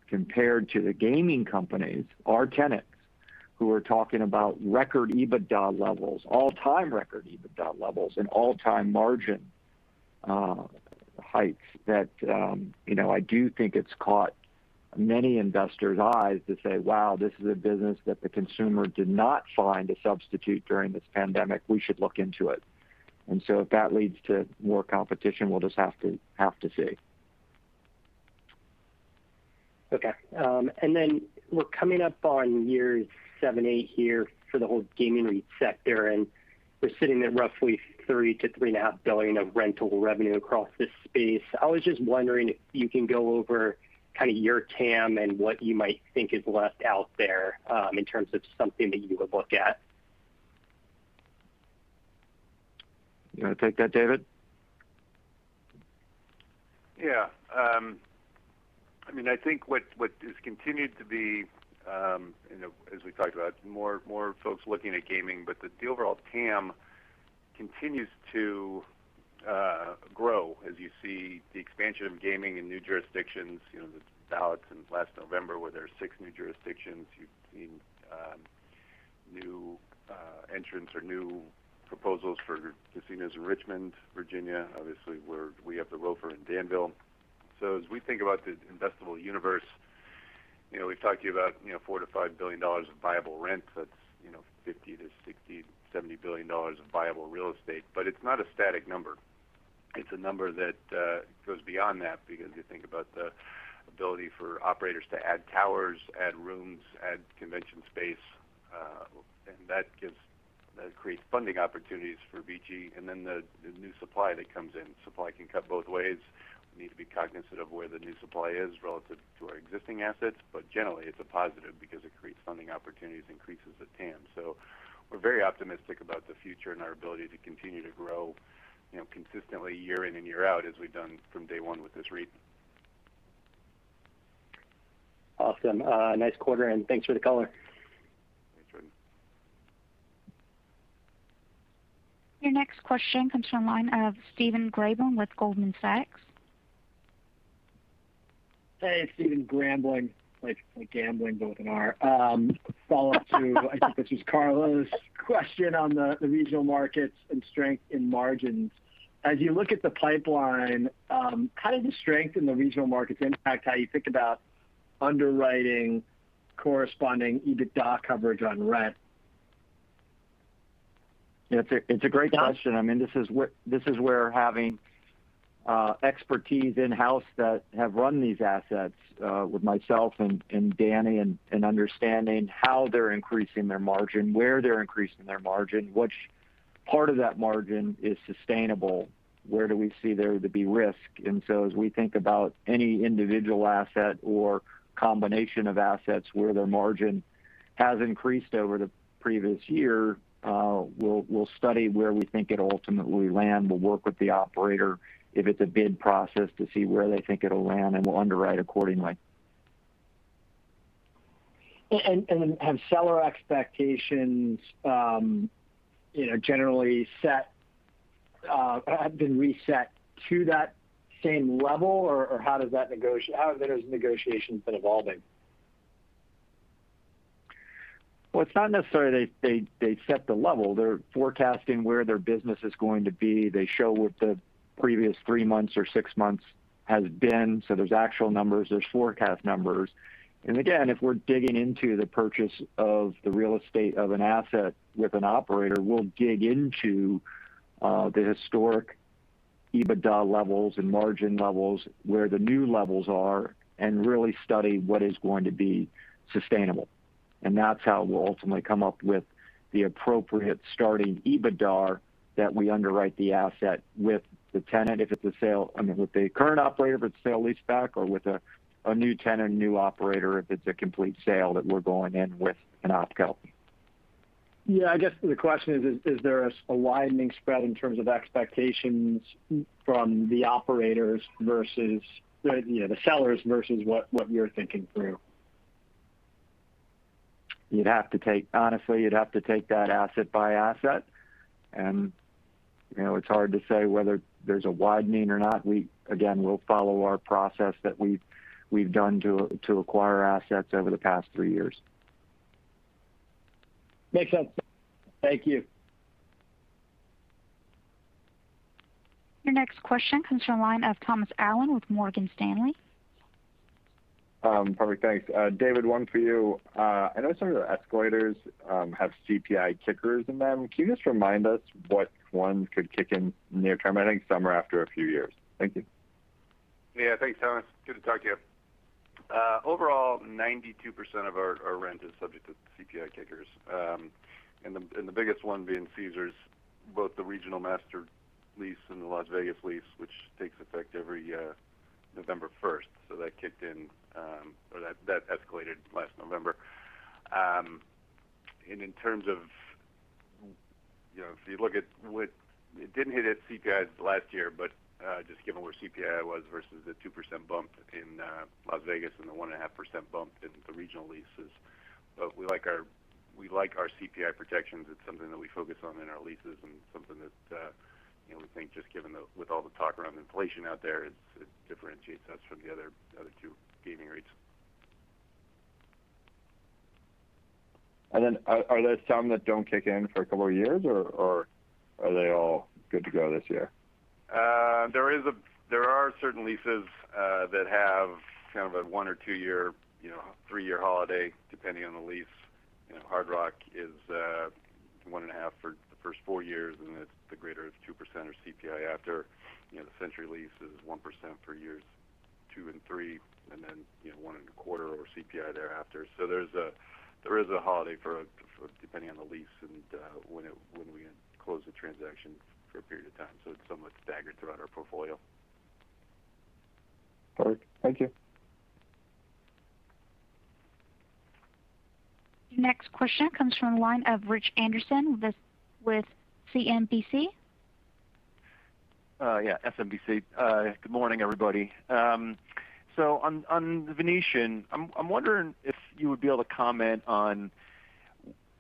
Speaker 4: compared to the gaming companies, our tenants, who are talking about record EBITDA levels, all-time record EBITDA levels, and all-time margin heights that I do think it's caught many investors' eyes to say, "Wow, this is a business that the consumer did not find a substitute during this pandemic. We should look into it." If that leads to more competition, we'll just have to see.
Speaker 12: Okay. We're coming up on year seven, eight here for the whole gaming REIT sector, and we're sitting at roughly $3 billion-$3.5 billion of rental revenue across this space. I was just wondering if you can go over your TAM and what you might think is left out there in terms of something that you would look at.
Speaker 4: You want to take that, David?
Speaker 5: Yeah. I think what has continued to be, as we talked about, more folks looking at gaming, but the overall TAM continues to grow as you see the expansion of gaming in new jurisdictions. The ballots in last November where there were six new jurisdictions. You've seen new entrants or new proposals for casinos in Richmond, Virginia, obviously, where we have the ROFR in Danville. As we think about the investable universe, we've talked to you about $4 billion-$5 billion of viable rent. That's $50 billion-$60 billion, $70 billion of viable real estate. It's not a static number. It's a number that goes beyond that because you think about the ability for operators to add towers, add rooms, add convention space, and that creates funding opportunities for VICI Properties. The new supply that comes in. Supply can cut both ways. We need to be cognizant of where the new supply is relative to our existing assets. Generally, it's a positive because it creates funding opportunities, increases the TAM. We're very optimistic about the future and our ability to continue to grow consistently year in and year out, as we've done from day one with this REIT.
Speaker 12: Awesome. Nice quarter. Thanks for the color.
Speaker 5: Thanks, Jordan.
Speaker 1: Your next question comes from the line of Stephen Grambling with Goldman Sachs.
Speaker 13: Hey, it's Stephen Grambling, like gambling, but with an R. Follow-up to, I think this is Carlo's question on the regional markets and strength in margins. As you look at the pipeline, how did the strength in the regional markets impact how you think about underwriting corresponding EBITDA coverage on rent?
Speaker 4: It's a great question. This is where having expertise in-house that have run these assets with myself and Danny, and understanding how they're increasing their margin, where they're increasing their margin, which part of that margin is sustainable, where do we see there to be risk. As we think about any individual asset or combination of assets where their margin has increased over the previous year, we'll study where we think it'll ultimately land. We'll work with the operator if it's a bid process to see where they think it'll land, and we'll underwrite accordingly.
Speaker 13: Have seller expectations generally have been reset to that same level, or how have those negotiations been evolving?
Speaker 4: Well, it's not necessarily they set the level. They're forecasting where their business is going to be. They show what the previous three months or six months has been. There's actual numbers, there's forecast numbers. Again, if we're digging into the purchase of the real estate of an asset with an operator, we'll dig into the historic EBITDA levels and margin levels, where the new levels are, and really study what is going to be sustainable. That's how we'll ultimately come up with the appropriate starting EBITDAR that we underwrite the asset with the tenant, I mean, with the current operator if it's a sale-leaseback, or with a new tenant, new operator if it's a complete sale that we're going in with an opco.
Speaker 13: Yeah, I guess the question is there a widening spread in terms of expectations from the operators versus the sellers versus what you're thinking through?
Speaker 4: Honestly, you'd have to take that asset by asset, and it's hard to say whether there's a widening or not. Again, we'll follow our process that we've done to acquire assets over the past three years.
Speaker 13: Makes sense. Thank you.
Speaker 1: Your next question comes from the line of Thomas Allen with Morgan Stanley.
Speaker 14: Perfect. Thanks. David, one for you. I know some of the escalators have CPI kickers in them. Can you just remind us what one could kick in near term? I think some are after a few years. Thank you.
Speaker 5: Yeah. Thanks, Thomas. Good to talk to you. Overall, 92% of our rent is subject to CPI kickers, and the biggest one being Caesars, both the regional master lease and the Las Vegas lease which takes effect every November 1st. That escalated last November. In terms of if you look at It didn't hit its CPIs last year, but just given where CPI was versus the 2% bump in Las Vegas and the 1.5% bump in the regional leases. We like our CPI protections. It's something that we focus on in our leases and something that we think just given with all the talk around inflation out there, it differentiates us from the other two gaming REITs.
Speaker 14: Are there some that don't kick in for a couple of years, or are they all good to go this year?
Speaker 5: There are certain leases that have kind of a one or two year, three year holiday, depending on the lease. Hard Rock is 1.5% For the first four years, and then it's the greater of 2% or CPI after. The Century lease is 1% for years two and three, and then 1.25% Or CPI thereafter. There is a holiday depending on the lease and when we close the transactions for a period of time. It's somewhat staggered throughout our portfolio.
Speaker 14: Perfect. Thank you.
Speaker 1: Next question comes from the line of Rich Anderson with SMBC.
Speaker 15: Yeah, SMBC. Good morning, everybody. On the Venetian, I'm wondering if you would be able to comment on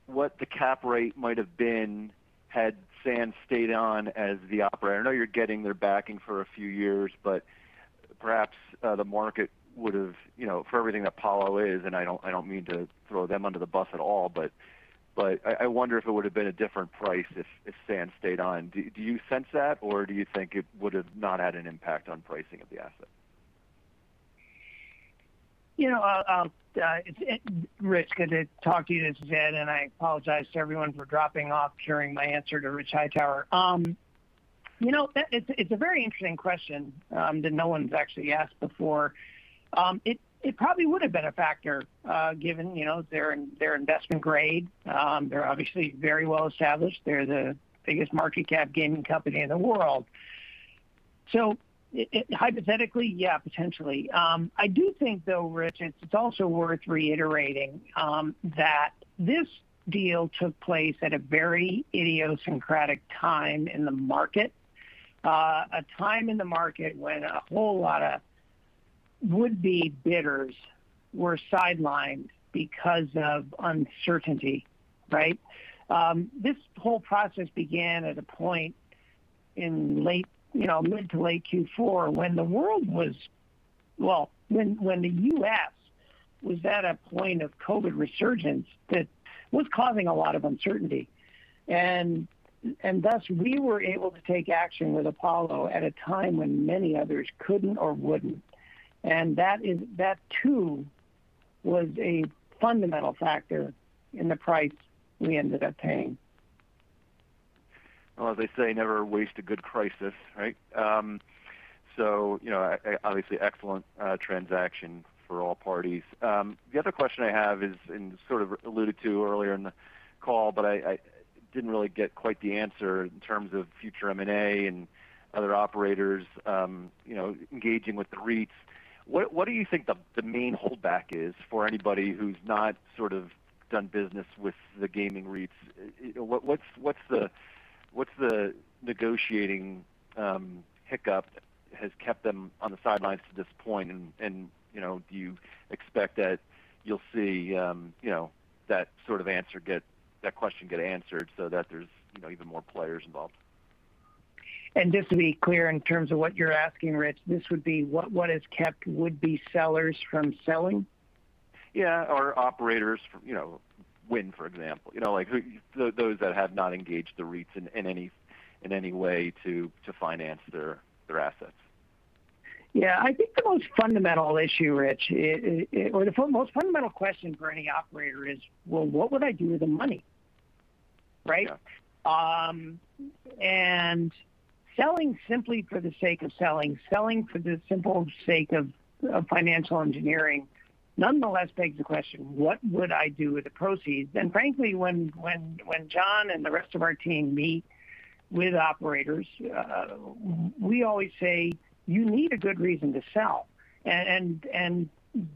Speaker 15: what the cap rate might have been had Sands stayed on as the operator. I know you're getting their backing for a few years, but perhaps the market would've, for everything that Apollo is, and I don't mean to throw them under the bus at all, but I wonder if it would've been a different price if Sands stayed on. Do you sense that, or do you think it would've not had an impact on pricing of the asset?
Speaker 3: Rich, good to talk to you. This is Ed. I apologize to everyone for dropping off during my answer to Rich Hightower. It's a very interesting question that no one's actually asked before. It probably would've been a factor given their investment-grade. They're obviously very well-established. They're the biggest market cap gaming company in the world. Hypothetically, yeah, potentially. I do think though, Rich, it's also worth reiterating that this deal took place at a very idiosyncratic time in the market. A time in the market when a whole lot of would-be bidders were sidelined because of uncertainty, right? This whole process began at a point in mid to late Q4 when, well, when the U.S. was at a point of COVID resurgence that was causing a lot of uncertainty. Thus, we were able to take action with Apollo at a time when many others couldn't or wouldn't. That too was a fundamental factor in the price we ended up paying.
Speaker 15: Well, as they say, never waste a good crisis, right? Obviously, excellent transaction for all parties. The other question I have is, and you sort of alluded to earlier in the call, but I didn't really get quite the answer in terms of future M&A and other operators engaging with the REITs. What do you think the main holdback is for anybody who's not done business with the gaming REITs? What's the negotiating hiccup that has kept them on the sidelines to this point, and do you expect that you'll see that sort of question get answered so that there's even more players involved?
Speaker 3: Just to be clear in terms of what you're asking, Rich, this would be what has kept would-be sellers from selling?
Speaker 15: Yeah. Operators from Wynn, for example, those that have not engaged the REITs in any way to finance their assets.
Speaker 3: Yeah. I think the most fundamental issue, Rich, or the most fundamental question for any operator is, well, what would I do with the money, right?
Speaker 15: Yeah.
Speaker 3: Selling simply for the sake of selling for the simple sake of financial engineering, nonetheless begs the question, what would I do with the proceeds? Frankly, when John and the rest of our team meet with operators, we always say, "You need a good reason to sell."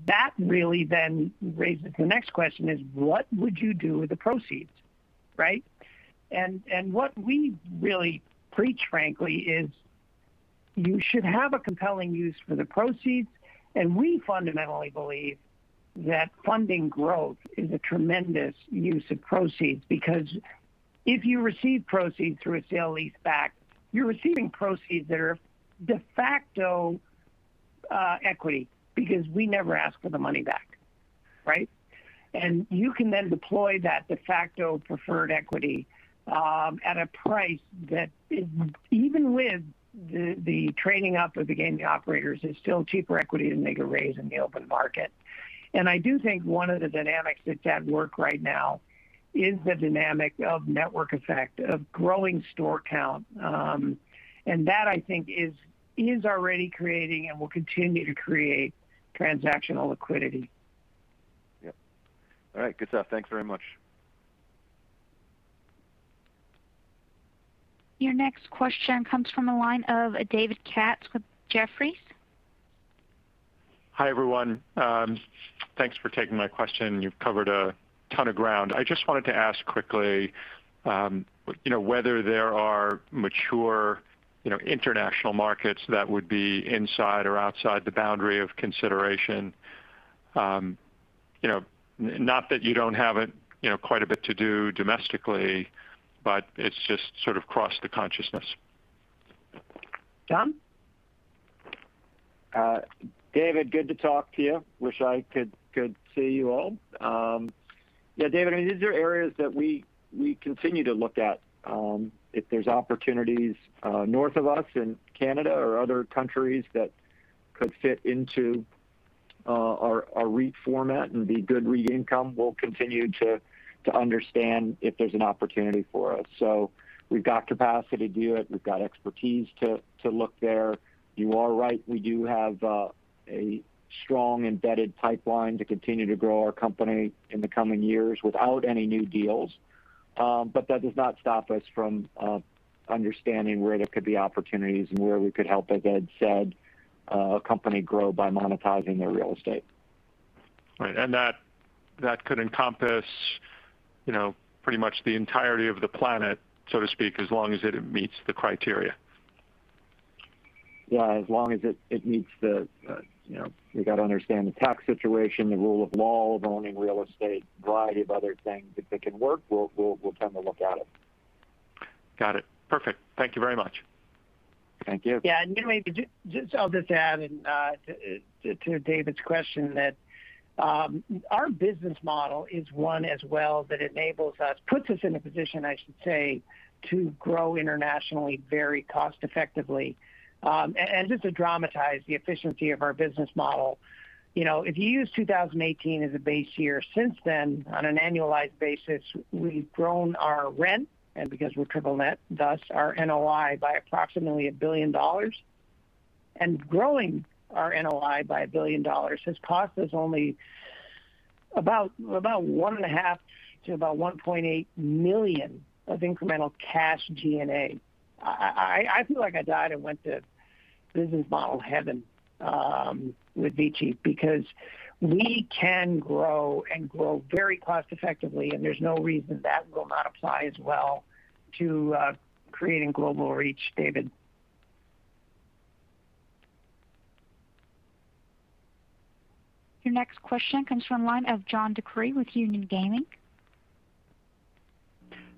Speaker 3: That really then raises the next question is, what would you do with the proceeds, right? What we really preach, frankly, is you should have a compelling use for the proceeds. We fundamentally believe that funding growth is a tremendous use of proceeds because if you receive proceeds through a sale-leaseback, you're receiving proceeds that are de facto equity because we never ask for the money back, right? You can then deploy that de facto preferred equity at a price that is, even with the trading up of the gaming operators, is still cheaper equity than they could raise in the open market. I do think one of the dynamics that's at work right now is the dynamic of network effect, of growing store count. That, I think, is already creating and will continue to create transactional liquidity.
Speaker 15: Yep. All right, good stuff. Thanks very much.
Speaker 1: Your next question comes from the line of David Katz with Jefferies.
Speaker 16: Hi, everyone. Thanks for taking my question. You've covered a ton of ground. I just wanted to ask quickly whether there are mature international markets that would be inside or outside the boundary of consideration. Not that you don't have quite a bit to do domestically, but it's just sort of crossed the consciousness.
Speaker 3: John?
Speaker 4: David, good to talk to you. Wish I could see you all. Yeah, David, these are areas that we continue to look at. If there's opportunities north of us in Canada or other countries that could fit into our REIT format and be good REIT income, we'll continue to understand if there's an opportunity for us. We've got capacity to do it. We've got expertise to look there. You are right, we do have a strong embedded pipeline to continue to grow our company in the coming years without any new deals. That does not stop us from understanding where there could be opportunities and where we could help, as Ed said, a company grow by monetizing their real estate.
Speaker 16: Right. That could encompass pretty much the entirety of the planet, so to speak, as long as it meets the criteria.
Speaker 4: Yeah. We've got to understand the tax situation, the rule of law of owning real estate, variety of other things. If it can work, we'll tend to look at it.
Speaker 16: Got it. Perfect. Thank you very much.
Speaker 4: Thank you.
Speaker 3: Yeah. Maybe just I'll just add in to David's question that our business model is one as well that puts us in a position, I should say, to grow internationally, very cost effectively. Just to dramatize the efficiency of our business model, if you use 2018 as a base year, since then, on an annualized basis, we've grown our rent, and because we're triple-net, thus our NOI by approximately $1 billion. Growing our NOI by $1 billion has cost us only about $1.5 million-$1.8 million of incremental cash G&A. I feel like I died and went to business model heaven with VICI because we can grow and grow very cost effectively, and there's no reason that will not apply as well to creating global reach, David.
Speaker 1: Your next question comes from the line of John DeCree with Union Gaming.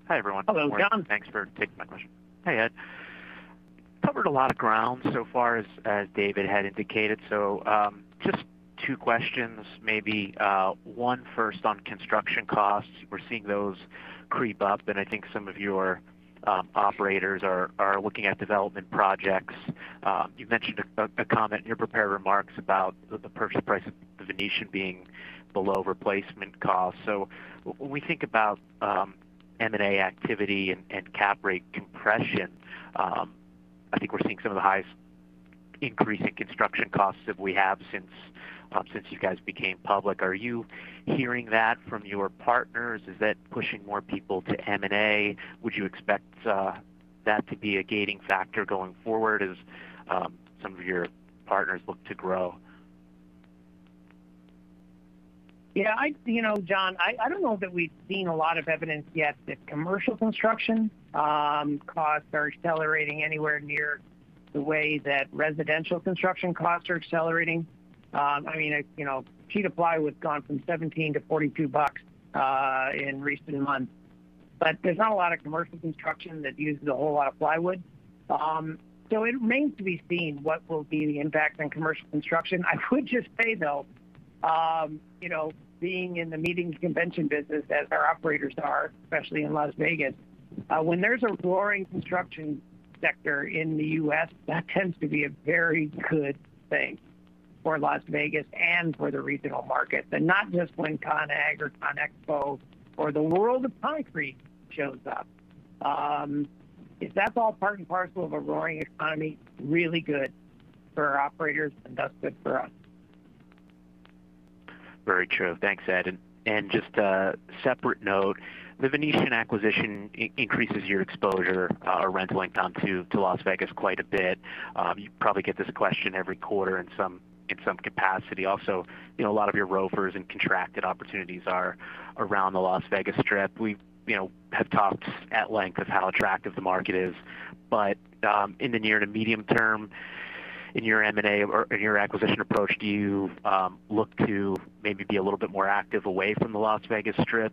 Speaker 17: Hi, everyone.
Speaker 4: Hello, John.
Speaker 17: Thanks for taking my question. Hey, Ed. Covered a lot of ground so far as David had indicated. Just two questions, maybe. One first on construction costs. We're seeing those creep up, and I think some of your operators are looking at development projects. You mentioned a comment in your prepared remarks about the purchase price of The Venetian being below replacement cost. When we think about M&A activity and cap rate compression, I think we're seeing some of the highest increase in construction costs that we have since you guys became public. Are you hearing that from your partners? Is that pushing more people to M&A? Would you expect that to be a gating factor going forward as some of your partners look to grow?
Speaker 3: Yeah. John, I don't know that we've seen a lot of evidence yet that commercial construction costs are accelerating anywhere near the way that residential construction costs are accelerating. Sheet of plywood's gone from $17 to $42 in recent months. There's not a lot of commercial construction that uses a whole lot of plywood. It remains to be seen what will be the impact on commercial construction. I would just say, though being in the meetings convention business as our operators are, especially in Las Vegas, when there's a roaring construction sector in the U.S., that tends to be a very good thing for Las Vegas and for the regional market. Not just when CON/AGG or CONEXPO or the World of Concrete shows up. If that's all part and parcel of a roaring economy, really good for our operators, and thus good for us.
Speaker 17: Very true. Thanks, Ed. Just a separate note, The Venetian acquisition increases your exposure or rental income to Las Vegas quite a bit. You probably get this question every quarter in some capacity also. A lot of your ROFRs and contracted opportunities are around the Las Vegas Strip. We have talked at length of how attractive the market is. In the near to medium term in your M&A or in your acquisition approach, do you look to maybe be a little bit more active away from the Las Vegas Strip?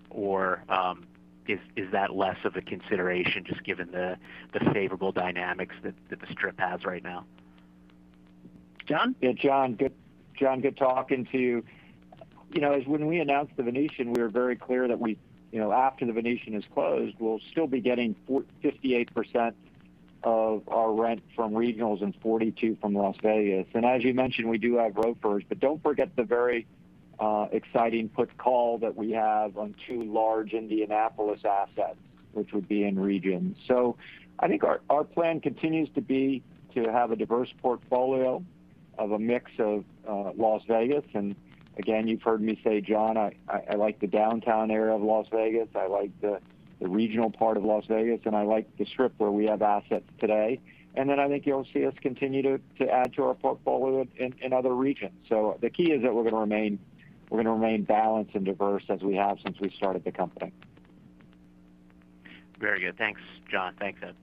Speaker 17: Is that less of a consideration just given the favorable dynamics that the Strip has right now?
Speaker 3: John?
Speaker 4: Yeah. John, good talking to you. When we announced The Venetian, we were very clear that after The Venetian is closed, we'll still be getting 58% of our rent from regionals and 42% from Las Vegas. As you mentioned, we do have ROFRs, don't forget the very exciting put-call that we have on two large Indianapolis assets, which would be in regions. I think our plan continues to be to have a diverse portfolio of a mix of Las Vegas, and again, you've heard me say, John, I like the downtown area of Las Vegas, I like the regional part of Las Vegas, and I like the Strip where we have assets today. I think you'll see us continue to add to our portfolio in other regions. The key is that we're going to remain balanced and diverse as we have since we started the company.
Speaker 17: Very good. Thanks, John. Thanks, Ed.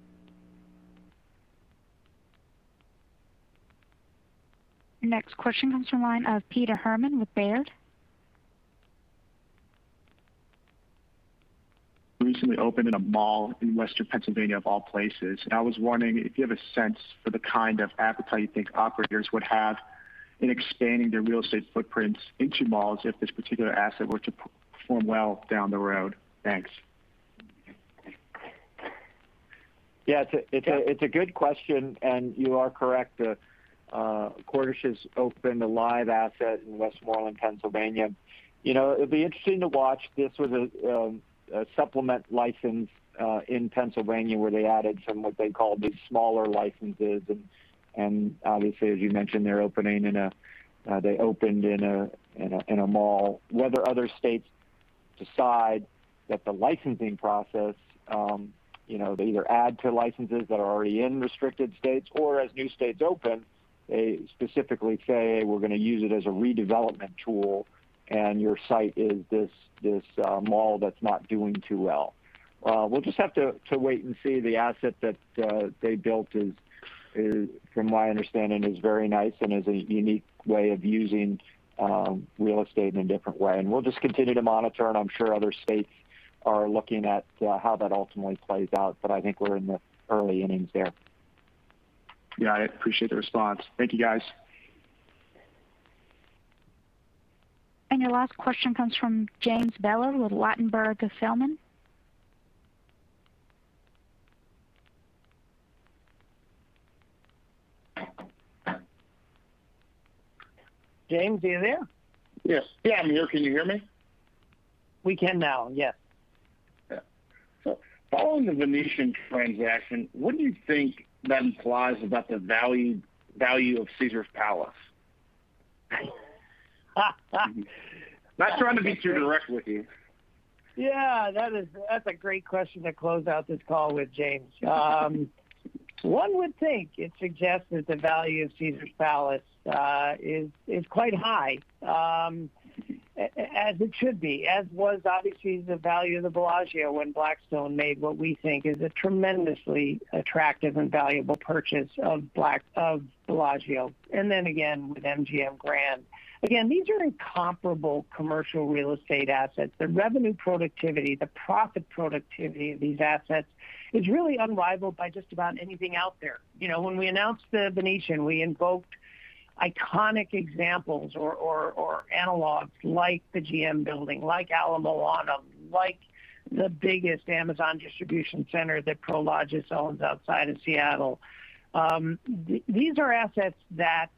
Speaker 1: Your next question comes from the line of Peter Hammond with Baird.
Speaker 18: Recently opened in a mall in Western Pennsylvania of all places. I was wondering if you have a sense for the kind of appetite you think operators would have in expanding their real estate footprints into malls if this particular asset were to perform well down the road. Thanks.
Speaker 4: Yeah. It's a good question, and you are correct. Cordish has opened a Live! asset in Westmoreland, Pennsylvania. It'll be interesting to watch. This was a supplement license in Pennsylvania, where they added some, what they call, the smaller licenses. Obviously, as you mentioned, they opened in a mall. Whether other states decide that the licensing process, they either add to licenses that are already in restricted states or as new states open, they specifically say, "We're going to use it as a redevelopment tool, and your site is this mall that's not doing too well." We'll just have to wait and see. The asset that they built, from my understanding, is very nice and is a unique way of using real estate in a different way. We'll just continue to monitor, and I'm sure other states are looking at how that ultimately plays out, but I think we're in the early innings there.
Speaker 18: Yeah, I appreciate the response. Thank you, guys.
Speaker 1: Your last question comes from James Allen with Ladenburg Thalmann.
Speaker 4: James, are you there?
Speaker 19: Yes. Yeah, I'm here. Can you hear me?
Speaker 4: We can now, yes.
Speaker 19: Yeah. Following the Venetian transaction, what do you think that implies about the value of Caesars Palace? Not trying to be too direct with you.
Speaker 3: Yeah, that's a great question to close out this call with, James. One would think it suggests that the value of Caesars Palace is quite high, as it should be. As was obviously the value of the Bellagio when Blackstone made what we think is a tremendously attractive and valuable purchase of Bellagio, and then again with MGM Grand. Again, these are incomparable commercial real estate assets. The revenue productivity, the profit productivity of these assets is really unrivaled by just about anything out there. When we announced The Venetian, we invoked iconic examples or analogs like the GM Building, like Ala Moana, like the biggest Amazon distribution center that Prologis owns outside of Seattle. These are assets that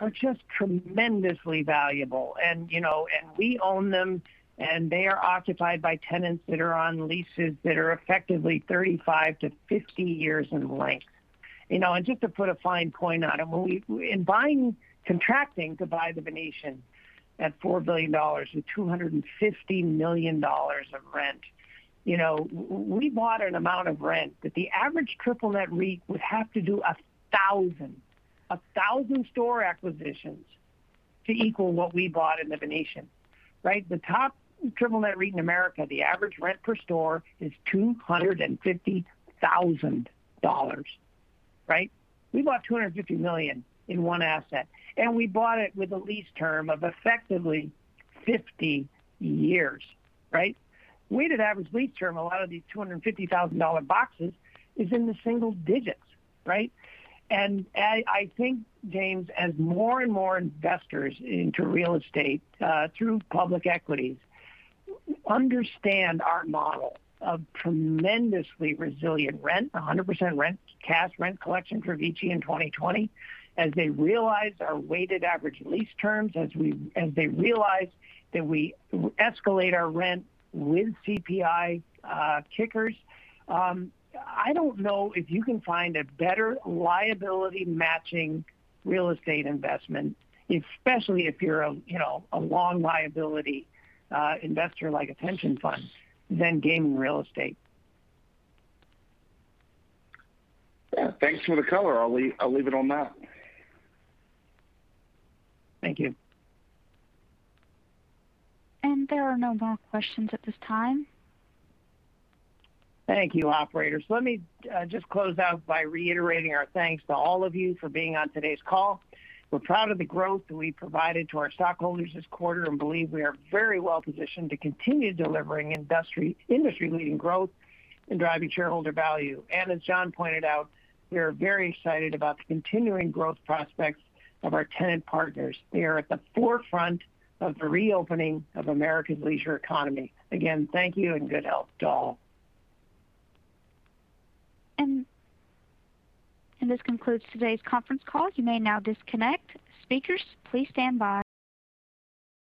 Speaker 3: are just tremendously valuable, and we own them, and they are occupied by tenants that are on leases that are effectively 35 to 50 years in length. Just to put a fine point on it, in contracting to buy The Venetian at $4 billion with $250 million of rent, we bought an amount of rent that the average triple-net REIT would have to do 1,000 store acquisitions to equal what we bought in The Venetian, right? The top triple-net REIT in America, the average rent per store is $250,000, right? We bought $250 million in one asset, and we bought it with a lease term of effectively 50 years, right? Weighted average lease term, a lot of these $250,000 boxes is in the single digits, right? I think, David, as more and more investors into real estate through public equities understand our model of tremendously resilient rent, 100% cash rent collection for VICI in 2020, as they realize our weighted average lease terms, as they realize that we escalate our rent with CPI kickers. I don't know if you can find a better liability matching real estate investment, especially if you're a long liability investor like a pension fund than gaming real estate.
Speaker 19: Yeah. Thanks for the color. I'll leave it on that.
Speaker 4: Thank you.
Speaker 1: There are no more questions at this time.
Speaker 3: Thank you, operator. Let me just close out by reiterating our thanks to all of you for being on today's call. We're proud of the growth that we provided to our stockholders this quarter and believe we are very well-positioned to continue delivering industry-leading growth and driving shareholder value. As John pointed out, we are very excited about the continuing growth prospects of our tenant partners. We are at the forefront of the reopening of America's leisure economy. Again, thank you, and good health to all.
Speaker 1: This concludes today's conference call. You may now disconnect. Speakers, please stand by.